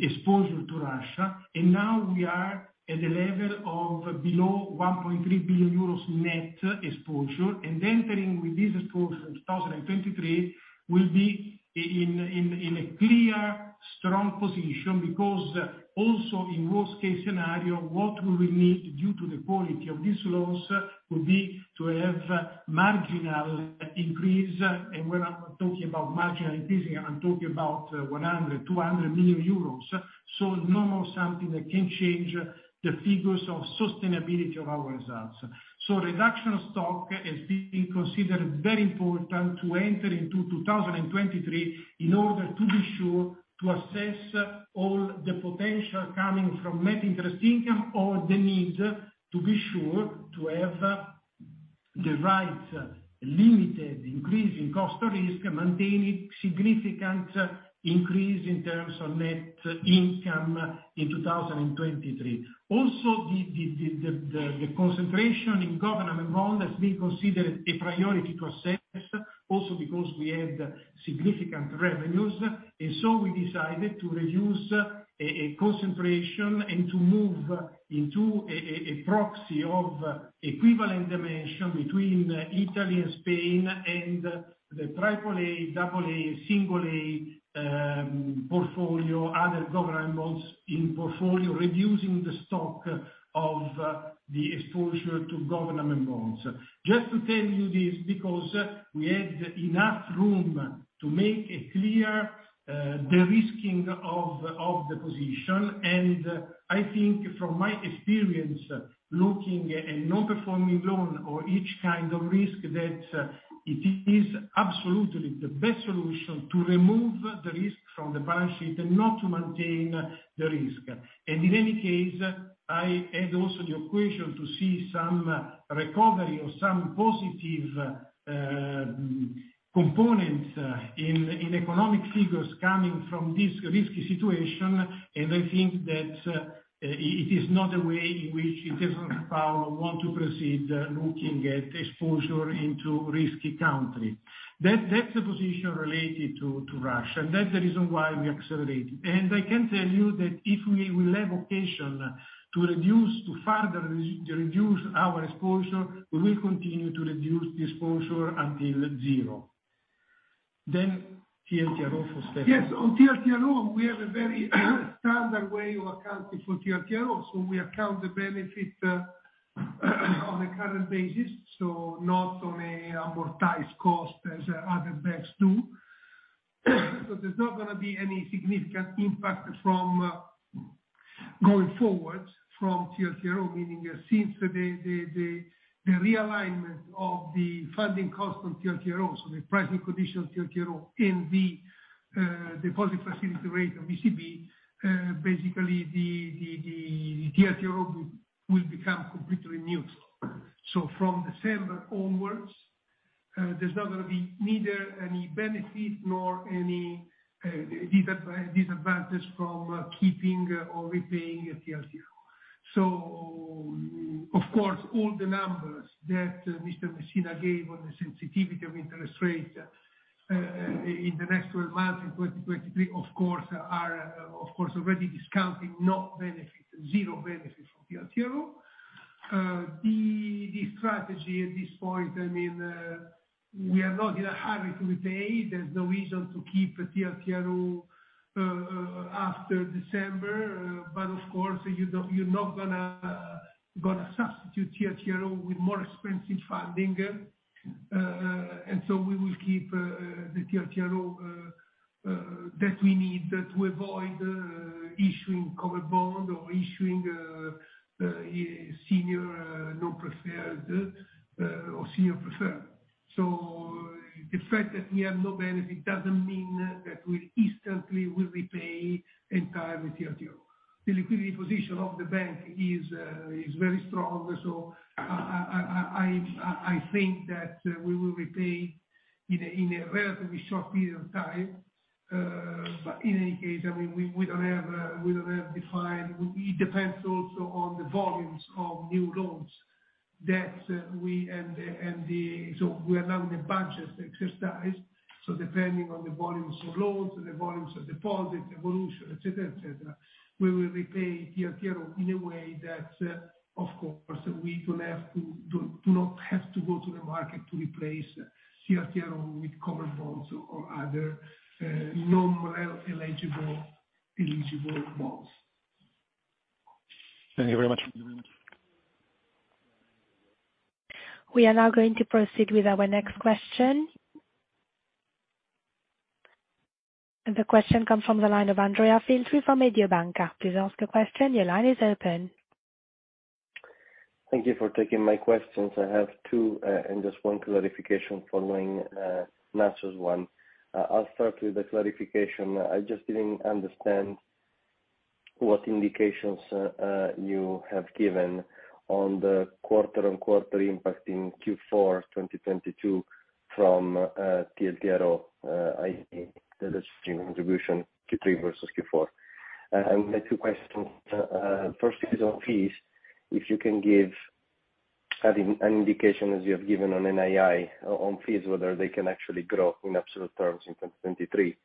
exposure to Russia. Now we are at a level of below 1.3 billion euros net exposure. Entering with this exposure in 2023 will be in a clear, strong position because also in worst case scenario, what will we need due to the quality of these loans will be to have marginal increase. When I'm talking about marginal increasing, I'm talking about 100 million, 200 million euros. No more something that can change the figures of sustainability of our results. Reduction of stock has been considered very important to enter into 2023 in order to be sure to assess all the potential coming from net interest income or the need to be sure to have the right limited increase in cost of risk, maintaining significant increase in terms of net income in 2023. Also, the concentration in government bond has been considered a priority process also because we had significant revenues. We decided to reduce a concentration and to move into a proxy of equivalent dimension between Italy and Spain and the triple A, double A, single A portfolio, other government bonds in portfolio, reducing the stock of the exposure to government bonds. Just to tell you this because we had enough room to make a clear derisking of the position. I think from my experience, looking at non-performing loan or each kind of risk, that it is absolutely the best solution to remove the risk from the balance sheet and not to maintain the risk. In any case, I add also the equation to see some recovery or some positive components in economic figures coming from this risky situation. I think that it is not a way in which Intesa Sanpaolo want to proceed looking at exposure into risky country. That's the position related to Russia, and that's the reason why we accelerated. I can tell you that if we will have occasion to reduce, to further reduce our exposure, we will continue to reduce the exposure until zero. Then TLTRO for Stefano. Yes. On TLTRO, we have a very standard way of accounting for TLTRO. We account the benefit, on a current basis, so not on an amortized cost as other banks do. There's not gonna be any significant impact from going forward from TLTRO, meaning, since the realignment of the funding cost on TLTRO, so the pricing condition of TLTRO and the deposit facility rate of ECB, basically the TLTRO will become completely neutral. From December onwards, there's not gonna be neither any benefit nor any disadvantage from keeping or repaying TLTRO. Of course, all the numbers that Mr. Messina gave on the sensitivity of interest rates, in the next 12 months, in 2023, of course are already discounting no benefit, zero benefit from TLTRO. The strategy at this point, I mean, we are not in a hurry to repay. There's no reason to keep TLTRO after December. But of course, you're not gonna substitute TLTRO with more expensive funding. We will keep the TLTRO that we need to avoid issuing covered bond or issuing senior non-preferred or senior preferred. The fact that we have no benefit doesn't mean that we instantly will repay entire TLTRO. The liquidity position of the bank is very strong. I think that we will repay in a relatively short period of time. But in any case, I mean, we don't have defined. It depends also on the volumes of new loans that we. We are now in the budget exercise. Depending on the volumes of loans and the volumes of deposit evolution, et cetera, we will repay TLTRO in a way that of course we don't have to go to the market to replace TLTRO with covered bonds or other non-eligible bonds. Thank you very much. We are now going to proceed with our next question. The question comes from the line of Andrea Filtri from Mediobanca. Please ask your question. Your line is open. Thank you for taking my questions. I have two, and just one clarification following Matteo Ramenghi's one. I'll start with the clarification. I just didn't understand what indications you have given on the quarter-over-quarter impact in Q4 2022 from TLTRO, i.e., the distribution contribution Q3 versus Q4. My two questions. First is on fees, if you can give an indication as you have given on NII on fees, whether they can actually grow in absolute terms in 2023.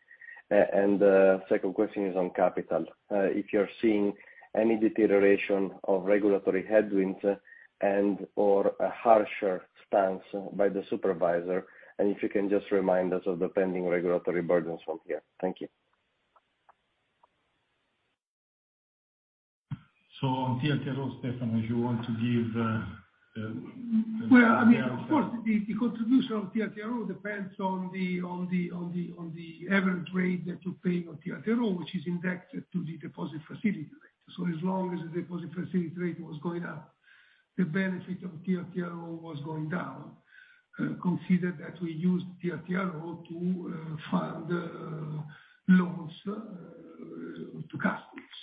And second question is on capital. If you're seeing any deterioration of regulatory headwinds and/or a harsher stance by the supervisor, and if you can just remind us of the pending regulatory burdens from here. Thank you. On TLTRO, Stefano, if you want to give Well, I mean, of course, the contribution of TLTRO depends on the average rate that you pay on TLTRO, which is indexed to the deposit facility rate. As long as the deposit facility rate was going up, the benefit of TLTRO was going down, considering that we used TLTRO to fund loans to customers.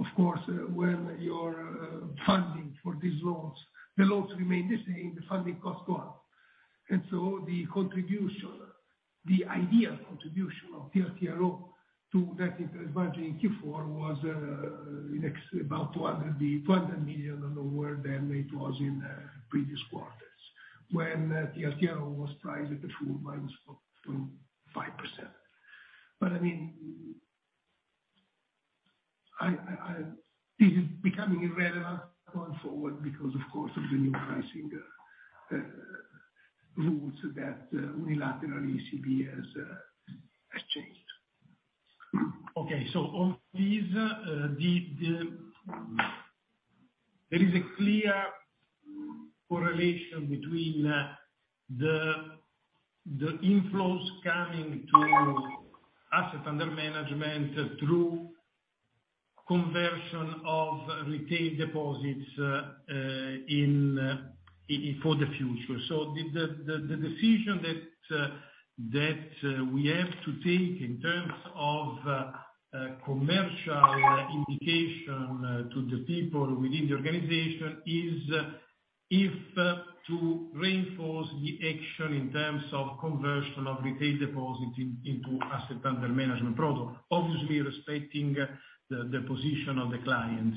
Of course, when the funding for these loans, the loans remain the same, the funding costs go up. The contribution of TLTRO to net interest margin in Q4 was about 200 million and lower than it was in previous quarters when TLTRO was priced at a floor of -4.5%. I mean, I... This is becoming irrelevant going forward because, of course, of the new pricing rules that unilaterally ECB has changed. On fees, there is a clear correlation between the inflows coming to assets under management through conversion of retail deposits for the future. The decision that we have to take in terms of commercial indication to the people within the organization is to reinforce the action in terms of conversion of retail deposit into assets under management product, obviously respecting the position of the clients.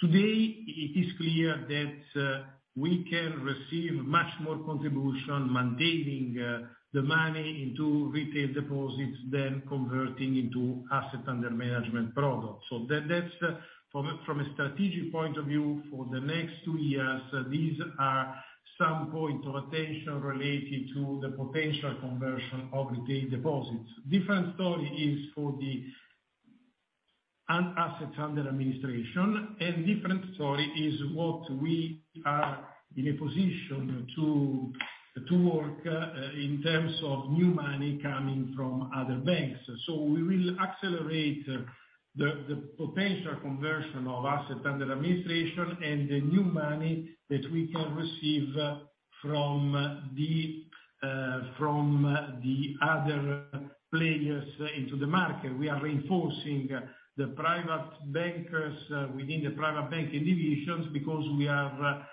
Today, it is clear that we can receive much more contribution maintaining the money into retail deposits than converting into assets under management products. That's from a strategic point of view, for the next two years, these are some points of attention related to the potential conversion of retail deposits. Different story is for the assets under administration and different story is what we are in a position to work in terms of new money coming from other banks. We will accelerate the potential conversion of assets under administration and the new money that we can receive from the other players into the market. We are reinforcing the private bankers within the private banking divisions because we are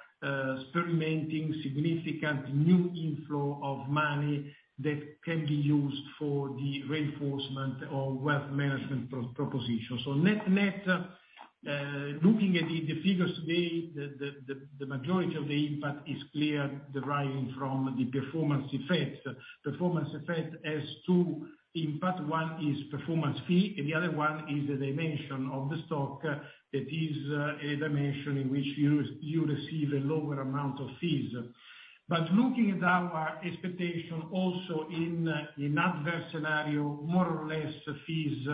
experimenting significant new inflow of money that can be used for the reinforcement of wealth management proposition. Net-net, looking at the figures today, the majority of the impact is clear deriving from the performance effect. Performance effect as to impact, one is performance fee and the other one is the dimension of the stock that is a dimension in which you receive a lower amount of fees. Looking at our expectation also in adverse scenario, more or less fees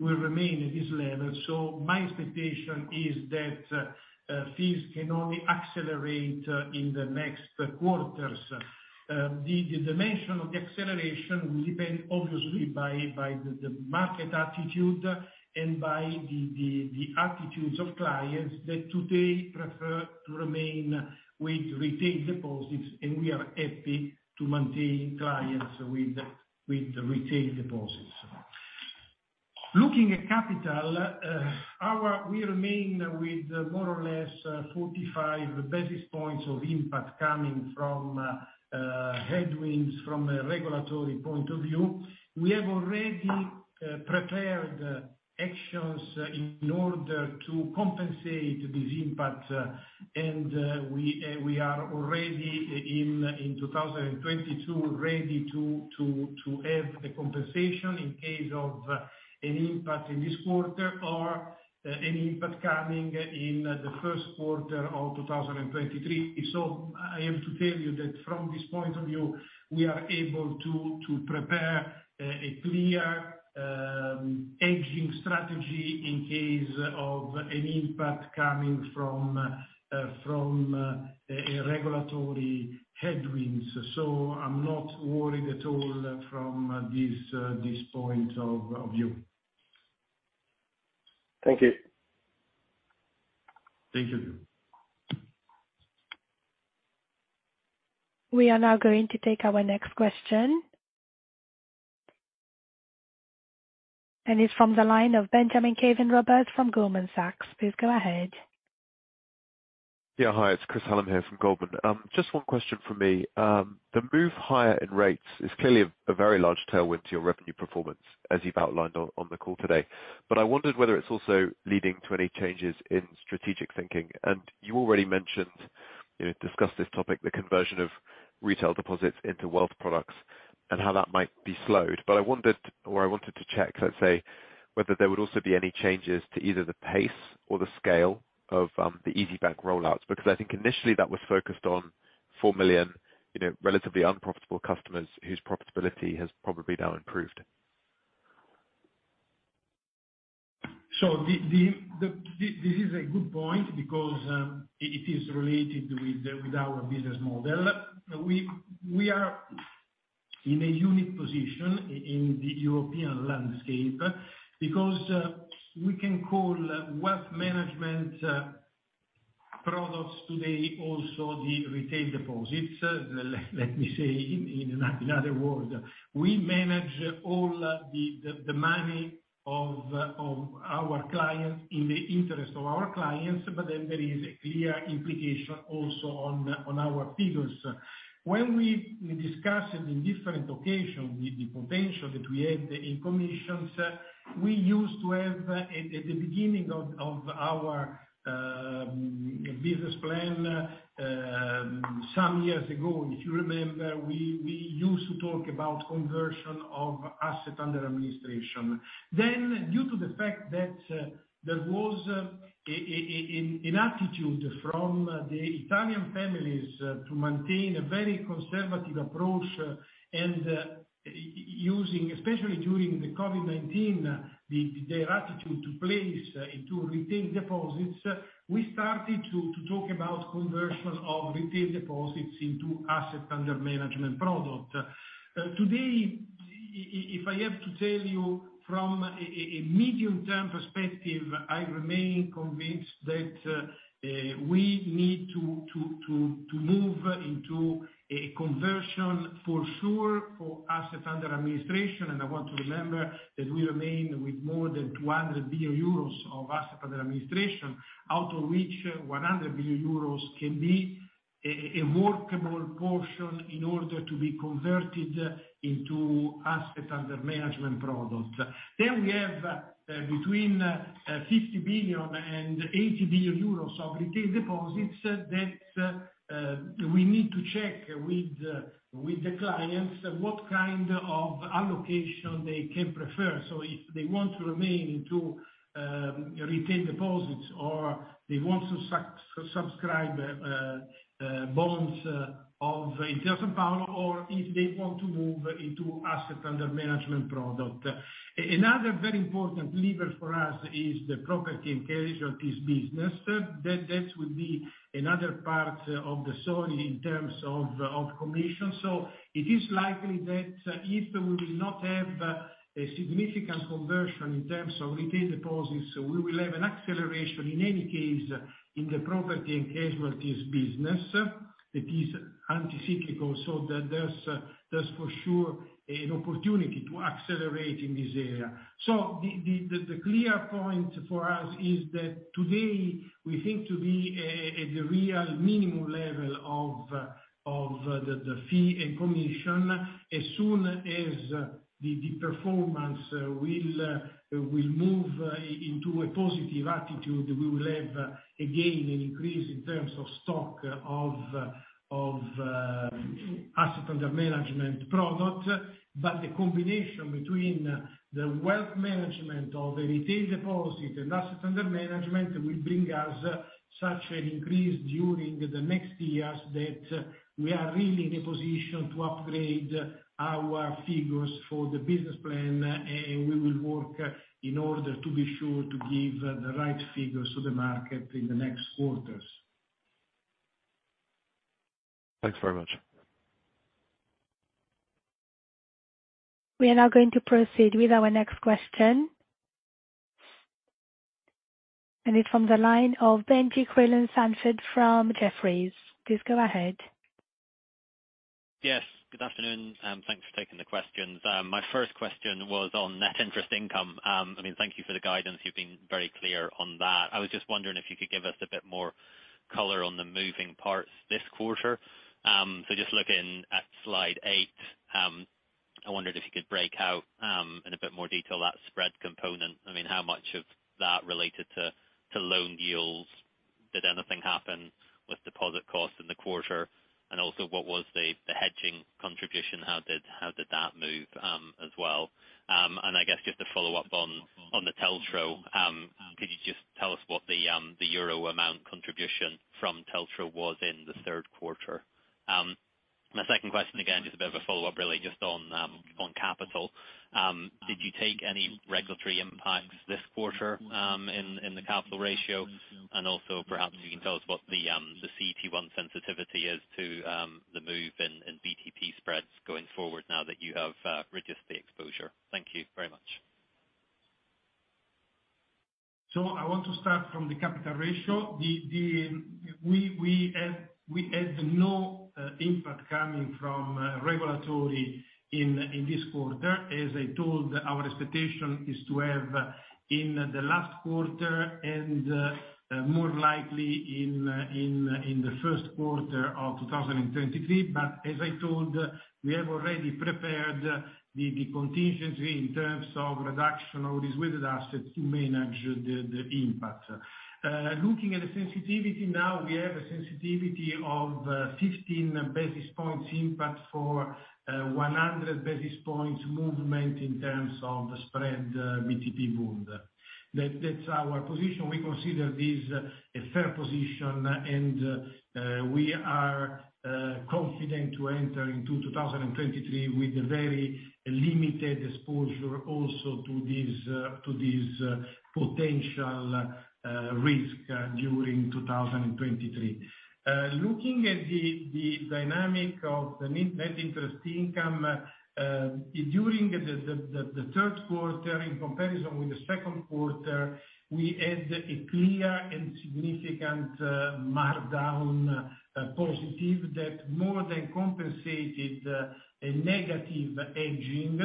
will remain at this level. My expectation is that fees can only accelerate in the next quarters. The dimension of the acceleration will depend obviously by the market attitude and by the attitudes of clients that today prefer to remain with retail deposits, and we are happy to maintain clients with retail deposits. Looking at capital, we remain with more or less 45 basis points of impact coming from headwinds from a regulatory point of view. We have already prepared actions in order to compensate this impact. We are already in 2022, ready to have the compensation in case of any impact in this quarter or any impact coming in the first quarter of 2023. I have to tell you that from this point of view, we are able to prepare a clear hedging strategy in case of an impact coming from a regulatory headwinds. I'm not worried at all from this point of view. Thank you. Thank you. We are now going to take our next question. It's from the line of Benjie Creelan-Sandford from Jefferies. Please go ahead. Yeah. Hi, it's Chris Hallam here from Goldman Sachs. Just one question from me. The move higher in rates is clearly a very large tailwind to your revenue performance, as you've outlined on the call today. I wondered whether it's also leading to any changes in strategic thinking. You already mentioned, you know, discussed this topic, the conversion of retail deposits into wealth products and how that might be slowed. I wondered, or I wanted to check, let's say, whether there would also be any changes to either the pace or the scale of the Isybank rollouts, because I think initially that was focused on 4 million, you know, relatively unprofitable customers whose profitability has probably now improved. This is a good point because it is related with our business model. We are in a unique position in the European landscape because we can call wealth management products today also the retail deposits. Let me say in other words, we manage all the money of our clients in the interest of our clients, but then there is a clear implication also on our figures. When we discuss it in different occasion, the potential that we have in commissions, we used to have at the beginning of our business plan some years ago, if you remember, we used to talk about conversion of assets under administration. Due to the fact that there was an attitude from the Italian families to maintain a very conservative approach and using, especially during the COVID-19, their attitude to place into retail deposits, we started to talk about conversion of retail deposits into assets under management product. Today, if I have to tell you from a medium term perspective, I remain convinced that we need to move into a conversion for sure for assets under administration. I want to remember that we remain with more than 200 billion euros of assets under administration, out of which 100 billion euros can be a workable portion in order to be converted into assets under management product. We have between 50 billion and 80 billion euros of retail deposits that we need to check with the clients what kind of allocation they can prefer. If they want to remain in retail deposits or they want to subscribe bonds of Intesa Sanpaolo, or if they want to move into assets under management product. Another very important lever for us is the property and casualty business. That would be another part of the story in terms of commissions. It is likely that if we will not have a significant conversion in terms of retail deposits, we will have an acceleration in any case in the property and casualty business that is counter-cyclical, so that there's for sure an opportunity to accelerate in this area. The clear point for us is that today we think to be at the real minimum level of the fee and commission. As soon as the performance will move into a positive attitude, we will have, again, an increase in terms of stock of asset under management product. The combination between the wealth management of a retail deposit and asset under management will bring us such an increase during the next years that we are really in a position to upgrade our figures for the business plan, and we will work in order to be sure to give the right figures to the market in the next quarters. Thanks very much. We are now going to proceed with our next question. It's from the line of Benjie Creelan-Sandford from Jefferies. Please go ahead. Yes, good afternoon, and thanks for taking the questions. My first question was on net interest income. I mean, thank you for the guidance. You've been very clear on that. I was just wondering if you could give us a bit more color on the moving parts this quarter. So just looking at slide 8, I wondered if you could break out in a bit more detail that spread component. I mean, how much of that related to loan yields? Did anything happen with deposit costs in the quarter? And also, what was the hedging contribution? How did that move as well? I guess just to follow up on the other, could you just tell us what the euro amount contribution from the other was in the third quarter? My second question, again, just a bit of a follow-up, really, just on capital. Did you take any regulatory impacts this quarter in the capital ratio? Also perhaps you can tell us what the CET1 sensitivity is to the move in BTP spreads going forward now that you have reduced the exposure. Thank you very much. I want to start from the capital ratio. We had no impact coming from regulatory in this quarter. As I told, our expectation is to have in the last quarter and more likely in the first quarter of 2023. As I told, we have already prepared the contingency in terms of reduction of these weighted assets to manage the impact. Looking at the sensitivity now, we have a sensitivity of 15 basis points impact for 100 basis points movement in terms of the BTP-Bund spread. That's our position. We consider this a fair position. We are confident to enter into 2023 with a very limited exposure also to this potential risk during 2023. Looking at the dynamic of the net interest income during the third quarter in comparison with the second quarter, we had a clear and significant markdown positive that more than compensated the negative hedging.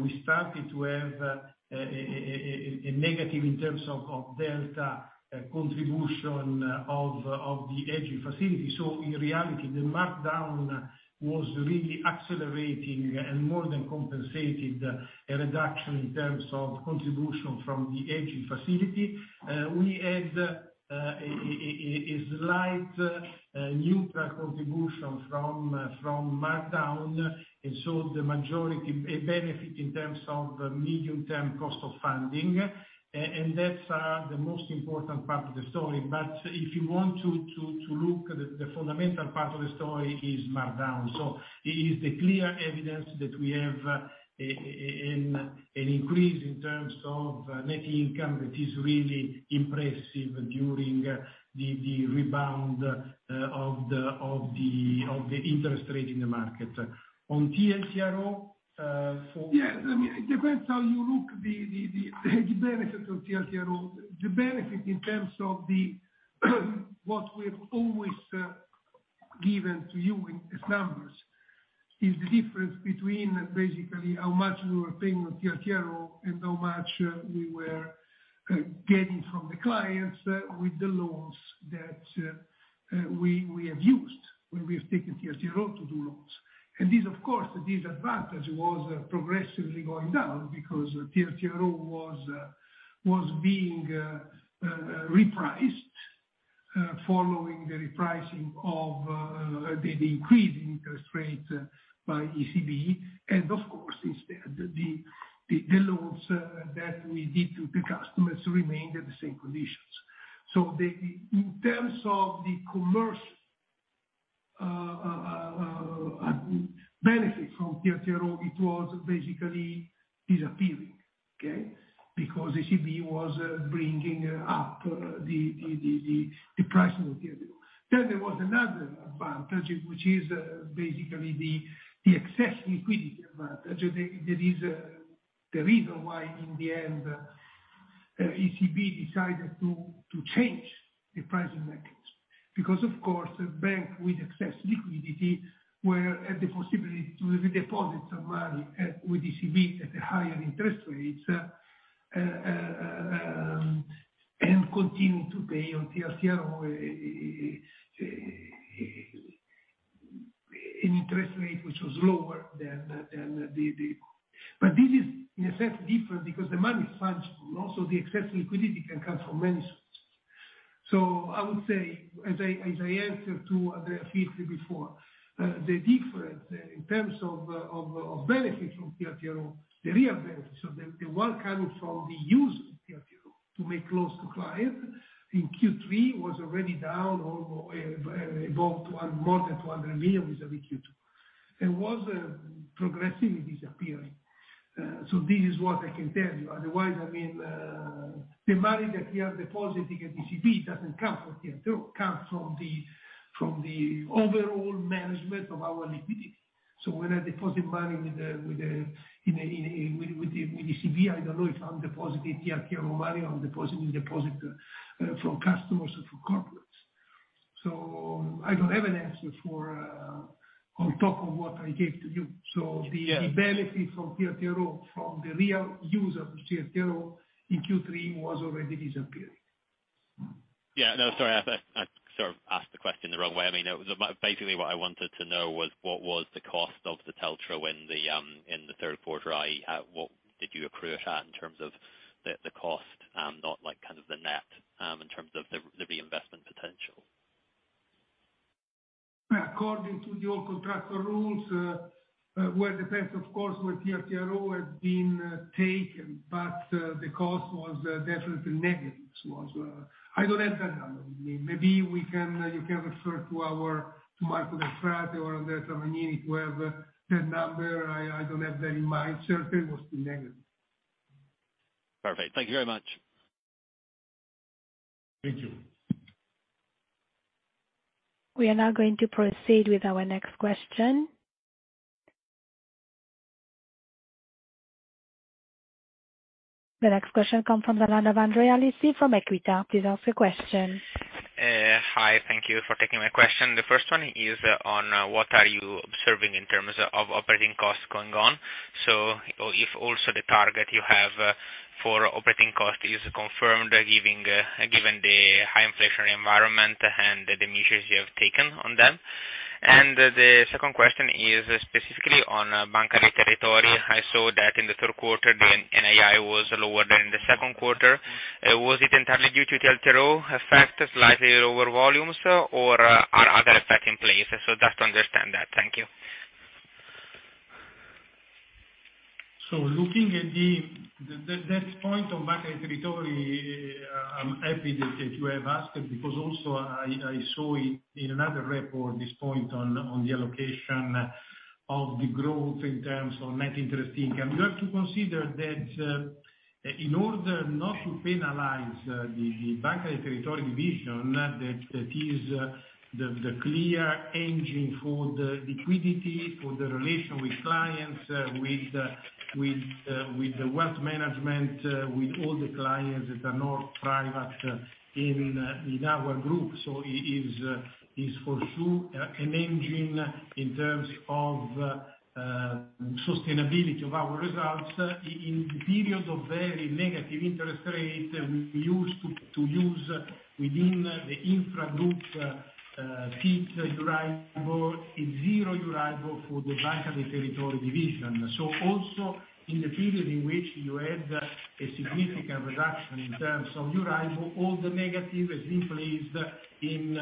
We started to have a negative in terms of delta contribution of the hedging facility. In reality, the markdown was really accelerating and more than compensated a reduction in terms of contribution from the hedging facility. We had a slight new contribution from markdown, and so the majority benefit in terms of medium-term cost of funding, and that's the most important part of the story. If you want to look, the fundamental part of the story is markdown. It is the clear evidence that we have an increase in terms of net income that is really impressive during the rebound of the interest rate in the market. On TLTRO. Yeah. I mean, it depends how you look at the benefit of TLTRO. The benefit in terms of what we've always given to you in as numbers is the difference between basically how much we were paying on TLTRO and how much we were getting from the clients with the loans that we have used when we have taken TLTRO to do loans. This of course, this advantage was progressively going down because TLTRO was being repriced following the repricing of the increased interest rates by ECB. Of course, instead the loans that we did to the customers remained at the same conditions. In terms of the commercial benefit from TLTRO, it was basically disappearing, okay? Because ECB was bringing up the price of TLTRO. There was another advantage, which is basically the excess liquidity advantage. That is the reason why in the end ECB decided to change the pricing mechanism. Because of course, a bank with excess liquidity were at the possibility to redeposit some money with ECB at a higher interest rates and continue to pay on TLTRO an interest rate which was lower than the. This is in a sense different because the money is fungible, so the excess liquidity can come from many sources. I would say, as I answered to Andrea Filtri before, the difference in terms of benefit from TLTRO, the real benefits of the one coming from the use of TLTRO to make loans to clients in Q3 was already down or about more than 200 million with the Q2, and was progressively disappearing. This is what I can tell you. Otherwise, I mean, the money that we are depositing at ECB doesn't come from TLTRO. It comes from the overall management of our liquidity. When I deposit money with the ECB, I don't know if I'm depositing TLTRO money or I'm depositing deposits from customers or from corporates. I don't have an answer for on top of what I gave to you. Yeah. The benefit from TLTRO, from the real use of TLTRO in Q3 was already disappearing. No, sorry. I sort of asked the question the wrong way. I mean, basically, what I wanted to know was what was the cost of the TLTRO in the third quarter, i.e., what did you accrue it at in terms of the cost, not like kind of the net, in terms of the reinvestment potential? According to the old contractual rules, well, depends of course, with TLTRO have been taken, but the cost was definitely negative. It was, I don't have that number with me. Maybe we can, you can refer to our, to Marco Delfrate or Andrea Tamagnini, who have that number. I don't have that in mind. Certainly it was negative. Perfect. Thank you very much. Thank you. We are now going to proceed with our next question. The next question come from the line of Andrea Lisi from Equita. Please ask your question. Hi. Thank you for taking my question. The first one is on what are you observing in terms of operating costs going on? If also the target you have for operating cost is confirmed given the high inflationary environment and the measures you have taken on them. The second question is specifically on Banca dei Territori. I saw that in the third quarter the NII was lower than the second quarter. Was it entirely due to TLTRO effect, slightly lower volumes, or are other effects in place? Just to understand that. Thank you. Looking at that point on Banca dei Territori, I'm happy that you have asked because also I saw it in another report, this point on the allocation of the growth in terms of net interest income. You have to consider that in order not to penalize the Banca dei Territori division, that is the clear engine for the liquidity, for the relation with clients, with the wealth management, with all the clients that are not private in our group. It is for sure an engine in terms of sustainability of our results. In periods of very negative interest rates, we use to use within the intra-group fixed Euribor, a zero Euribor for the Banca dei Territori division. Also in the period in which you had a significant reduction in terms of Euribor, all the negative is in place in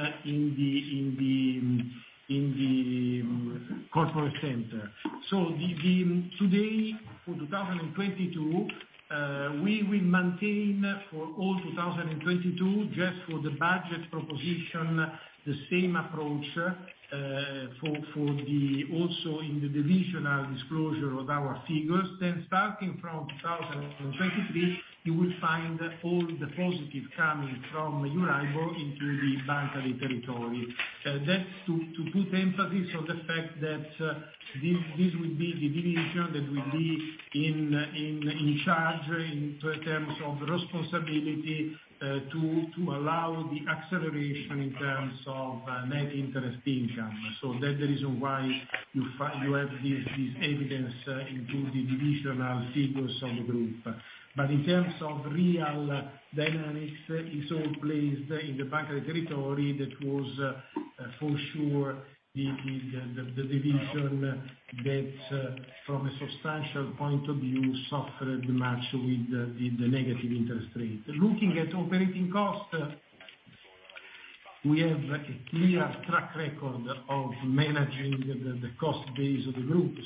the corporate center. Today for 2022, we will maintain for all 2022 just for the budget proposition, the same approach for also in the divisional disclosure of our figures. Starting from 2023, you will find all the positive coming from Euribor into the Banca dei Territori. That's to put emphasis on the fact that this will be the division that will be in charge in terms of responsibility to allow the acceleration in terms of net interest income. That the reason why you have this evidence into the divisional figures of the group. In terms of real dynamics, it's all placed in the Banca dei Territori. That was for sure the division that from a substantial point of view suffered much with the negative interest rate. Looking at operating costs, we have a clear track record of managing the cost base of the group.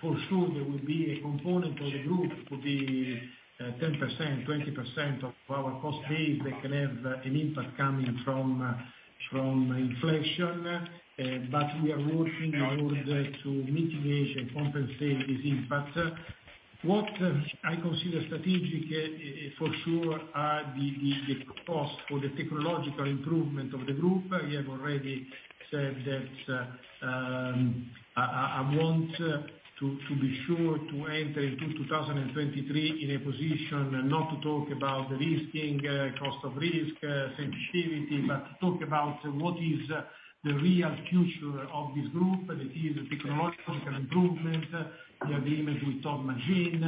For sure there will be a component of the group could be 10%, 20% of our cost base that can have an impact coming from inflation. We are working in order to mitigate and compensate this impact. What I consider strategic for sure are the cost for the technological improvement of the group. We have already said that, I want to be sure to enter into 2023 in a position not to talk about the rising cost of risk sensitivity, but talk about what is the real future of this group, that is technological improvement. The agreement with Thought Machine,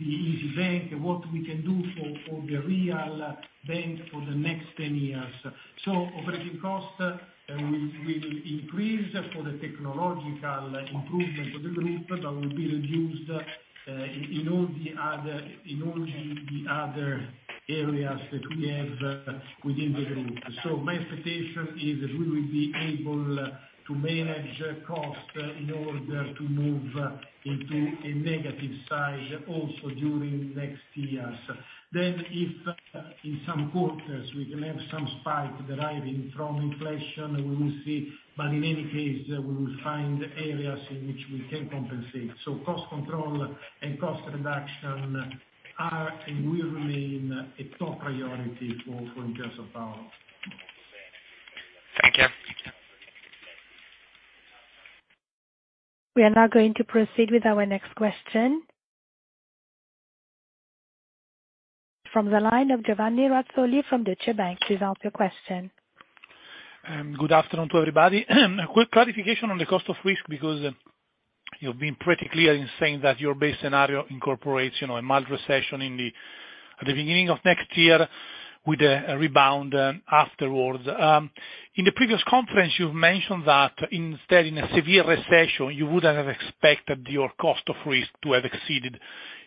Isybank, what we can do for the real bank for the next 10 years. Operating costs will increase for the technological improvement of the group, but will be reduced in all the other areas that we have within the group. My expectation is we will be able to manage cost in order to move into a negative side also during next years. If in some quarters we can have some spike deriving from inflation, we will see. In any case, we will find areas in which we can compensate. Cost control and cost reduction are and will remain a top priority for Intesa Sanpaolo. Thank you. We are now going to proceed with our next question. From the line of Giovanni Razzoli from Deutsche Bank. Please ask your question. Good afternoon to everybody. A quick clarification on the cost of risk, because you've been pretty clear in saying that your base scenario incorporates, you know, a mild recession in the, at the beginning of next year with a rebound, afterwards. In the previous conference you've mentioned that instead in a severe recession, you would have expected your cost of risk to have exceeded,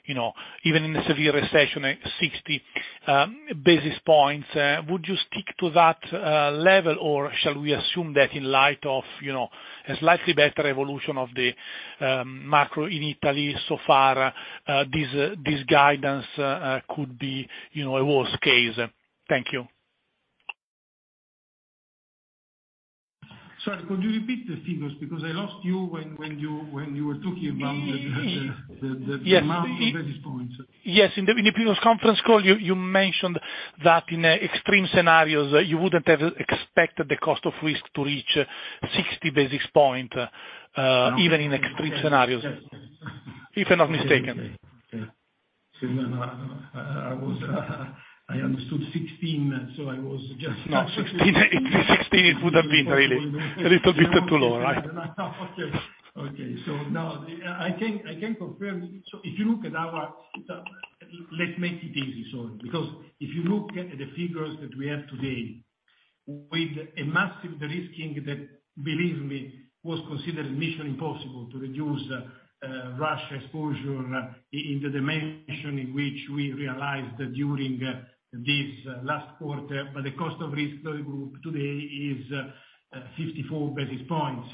you know, even in the severe recession, 60 basis points. Would you stick to that level or shall we assume that in light of, you know, a slightly better evolution of the, macro in Italy so far, this guidance could be, you know, a worst case? Thank you. Sorry, could you repeat the figures? Because I lost you when you were talking about the- Y-y-yes the amount of basis points. Yes, in the previous conference call you mentioned that in extreme scenarios you wouldn't have expected the cost of risk to reach 60 basis point, even in extreme scenarios. Yes. If I'm not mistaken. I understood 16, so I was just. No, 16 it would have been really. A little bit too low, right? Okay. I can confirm. If you look at our. Let's make it easy, sorry. Because if you look at the figures that we have today, with a massive de-risking that, believe me, was considered mission impossible to reduce, risk exposure in the dimension in which we realized during this last quarter. The cost of risk for the group today is 54 basis points.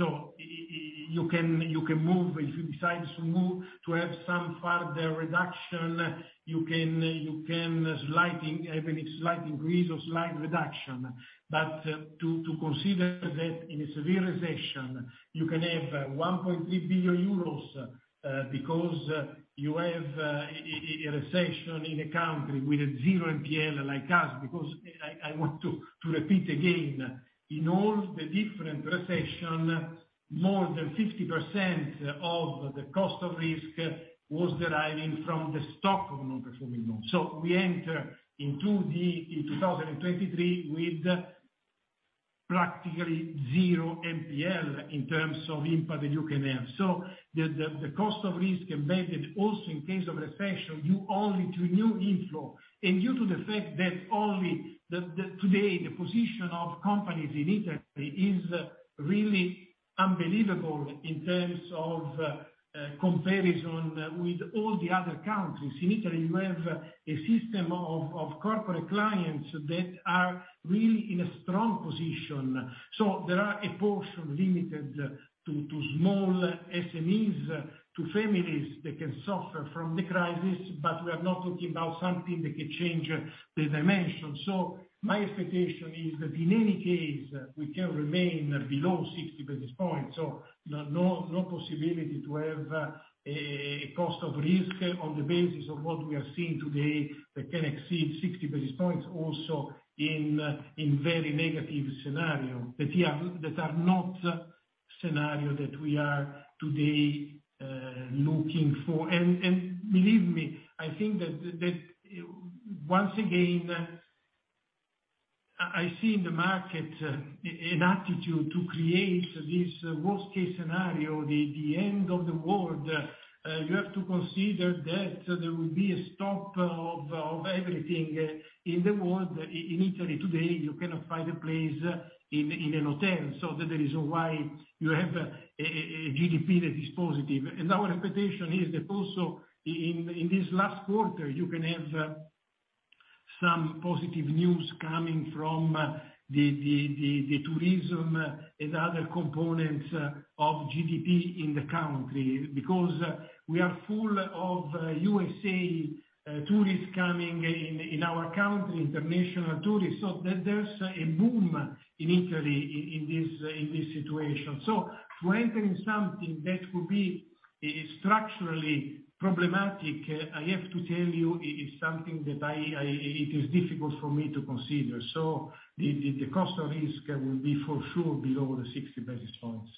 You can move if you decide to move to have some further reduction, you can have a slight increase or slight reduction. To consider that in a severe recession, you can have 1.3 billion euros, because you have a recession in a country with a zero NPL like us. Because I want to repeat again, in all the different recessions, more than 50% of the cost of risk was deriving from the stock of non-performing loans. We enter into 2023 with practically zero NPL in terms of impact that you can have. The cost of risk embedded also in case of recession due only to new inflow. Due to the fact that only today the position of companies in Italy is really unbelievable in terms of comparison with all the other countries. In Italy you have a system of corporate clients that are really in a strong position. There are a portion limited to small SMEs, to families that can suffer from the crisis, but we are not talking about something that can change the dimension. My expectation is that in any case, we can remain below 60 basis points. No possibility to have a cost of risk on the basis of what we are seeing today that can exceed 60 basis points also in very negative scenario. That are not scenario that we are today looking for. Believe me, I think that once again, I see in the market an attitude to create this worst case scenario, the end of the world. You have to consider that there will be a stop of everything in the world. In Italy today, you cannot find a place in a hotel. That is why you have a GDP that is positive. Our expectation is that also in this last quarter, you can have some positive news coming from the tourism and other components of GDP in the country. Because we are full of USA tourists coming in our country, international tourists. There's a boom in Italy in this situation. To enter in something that could be is structurally problematic, I have to tell you, it's something that it is difficult for me to consider. The cost of risk will be for sure below the 60 basis points.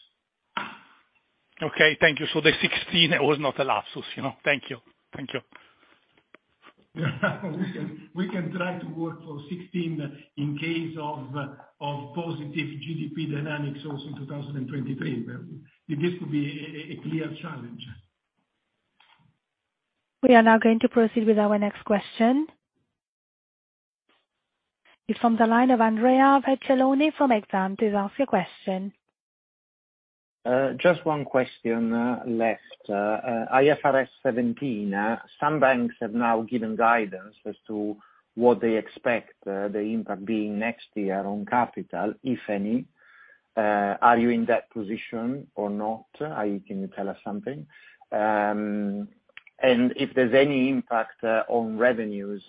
Okay, thank you. The 16 was not a lapse, you know. Thank you. Thank you. We can try to work for 16 in case of positive GDP dynamics also in 2023. This could be a clear challenge. We are now going to proceed with our next question. It's from the line of Andrea Filtri from Exane. Please ask your question. Just one question left. IFRS 17, some banks have now given guidance as to what they expect, the impact being next year on capital, if any. Are you in that position or not? Can you tell us something? If there's any impact on revenues,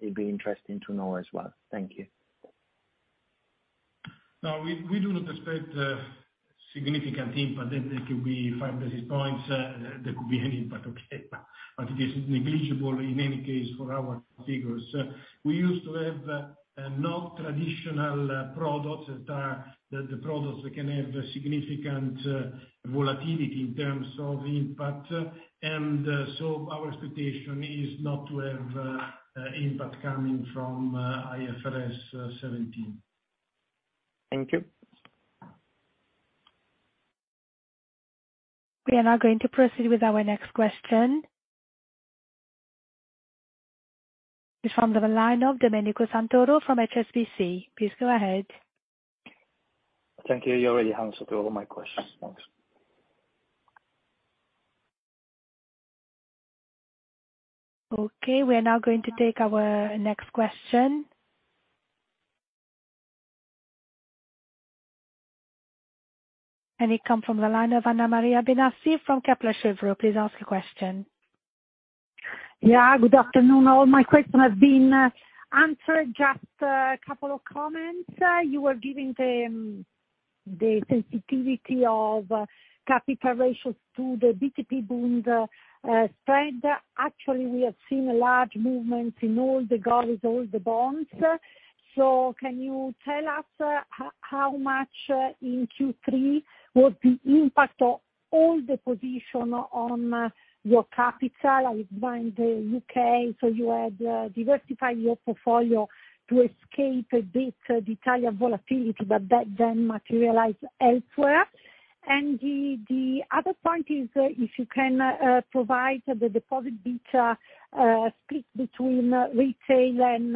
it'd be interesting to know as well. Thank you. No, we do not expect significant impact. It could be 5 basis points. There could be an impact, okay, but it is negligible in any case for our figures. We used to have non-traditional products that are the products that can have significant volatility in terms of impact. Our expectation is not to have impact coming from IFRS 17. Thank you. We are now going to proceed with our next question. It's from the line of Domenico Santoro from HSBC. Please go ahead. Thank you. You already answered all of my questions. Thanks. Okay. We are now going to take our next question. It comes from the line of Anna-Maria Benassi from Kepler Cheuvreux. Please ask your question. Yeah. Good afternoon, all. My question has been answered. Just a couple of comments. You were giving the sensitivity of capital ratios to the t-Bund spread. Actually, we have seen a large movement in all the govies, all the bonds. Can you tell us how much in Q3 was the impact of all the positions on your capital? I was buying the UK, so you had diversify your portfolio to escape a bit the entire volatility, but that then materialize elsewhere. The other point is, if you can provide the deposit beta split between retail and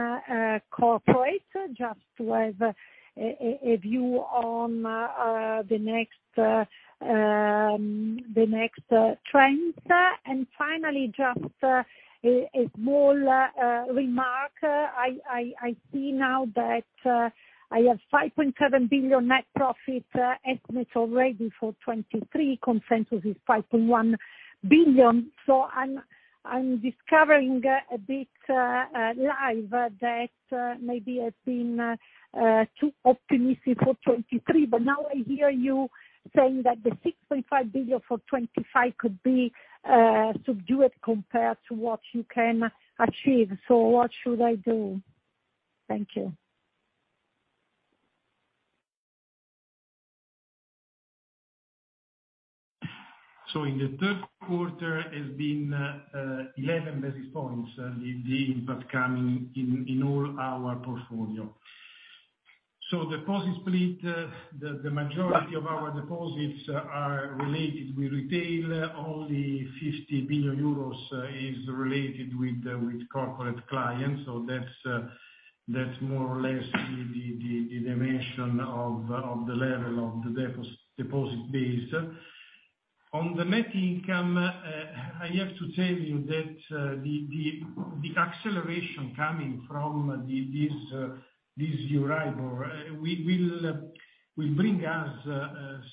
corporate, just to have a view on the next trends. Finally, just a small remark. I see now that I have 5.7 billion net profit estimate already for 2023. Consensus is 5.1 billion. I'm discovering a bit live that maybe I've been too optimistic for 2023. Now I hear you saying that the 6.5 billion for 2025 could be subdued compared to what you can achieve. What should I do? Thank you. In the third quarter it's been 11 basis points, the impact coming in all our portfolio. Deposit split, the majority of our deposits are related with retail. Only 50 billion euros is related with corporate clients. That's more or less the dimension of the level of the deposit base. On the net income, I have to tell you that, the acceleration coming from this Euribor will bring us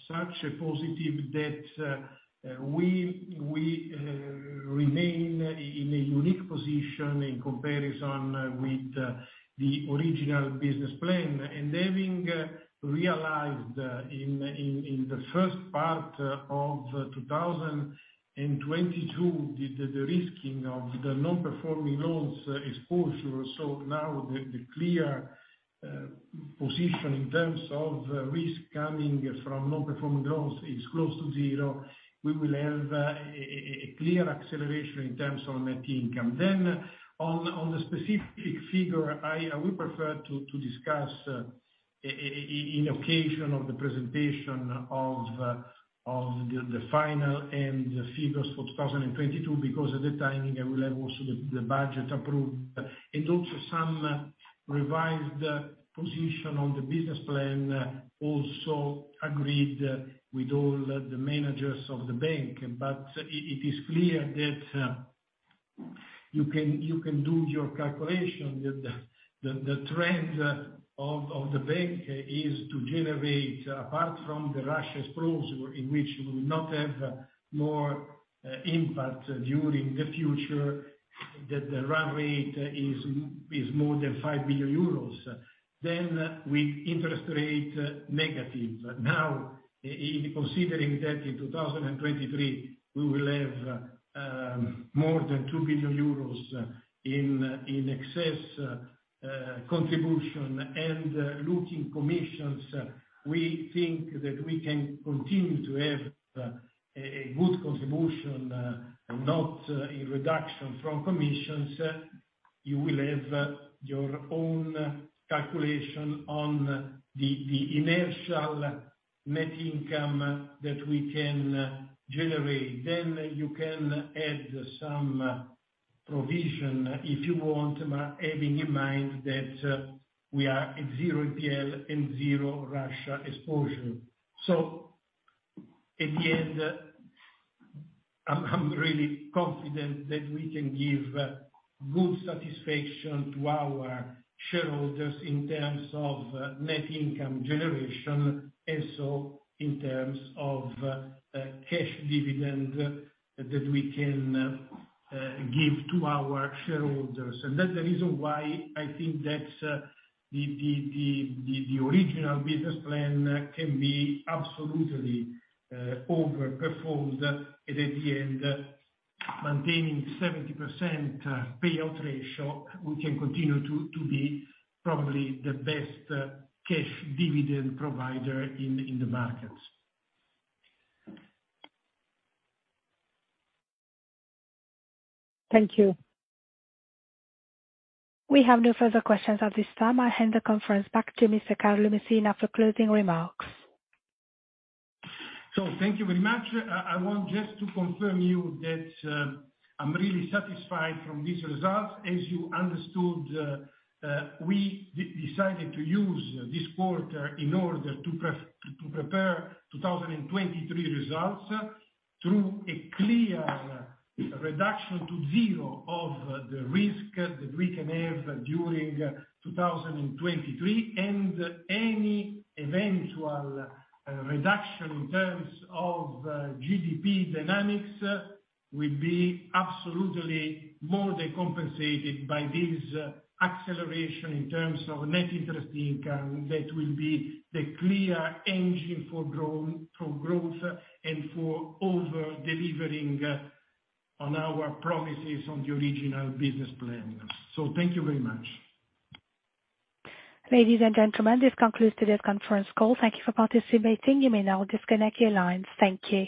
such a positive that we remain in a unique position in comparison with the original business plan. Having realized in the first part of 2022 the risking of the non-performing loans exposure. Now the clear position in terms of risk coming from non-performing loans is close to zero. We will have a clear acceleration in terms of net income. On the specific figure, I would prefer to discuss on the occasion of the presentation of the final and the figures for 2022, because at that time I will have also the budget approved. Also some revised position on the business plan, also agreed with all the managers of the bank. It is clear that you can do your calculation. The trend of the bank is to generate, apart from the Russia exposure in which we will not have more impact in the future, the run rate is more than 5 billion euros. With negative interest rates. In considering that in 2023, we will have more than 2 billion euros in excess contribution. Looking at commissions, we think that we can continue to have a good contribution, not a reduction from commissions. You will have your own calculation on the inertial net income that we can generate. You can add some provision if you want, having in mind that we are at zero NPL and zero Russia exposure. At the end, I'm really confident that we can give good satisfaction to our shareholders in terms of net income generation, and so in terms of cash dividend that we can give to our shareholders. That's the reason why I think that the original business plan can be absolutely over-performed. At the end, maintaining 70% payout ratio, we can continue to be probably the best cash dividend provider in the markets. Thank you. We have no further questions at this time. I'll hand the conference back to Mr. Carlo Messina for closing remarks. Thank you very much. I want just to confirm you that I'm really satisfied from these results. As you understood, we decided to use this quarter in order to prepare 2023 results through a clear reduction to zero of the risk that we can have during 2023. Any eventual reduction in terms of GDP dynamics will be absolutely more than compensated by this acceleration in terms of net interest income. That will be the clear engine for growth and for over-delivering on our promises on the original business plan. Thank you very much. Ladies and gentlemen, this concludes today's conference call. Thank you for participating. You may now disconnect your lines. Thank you.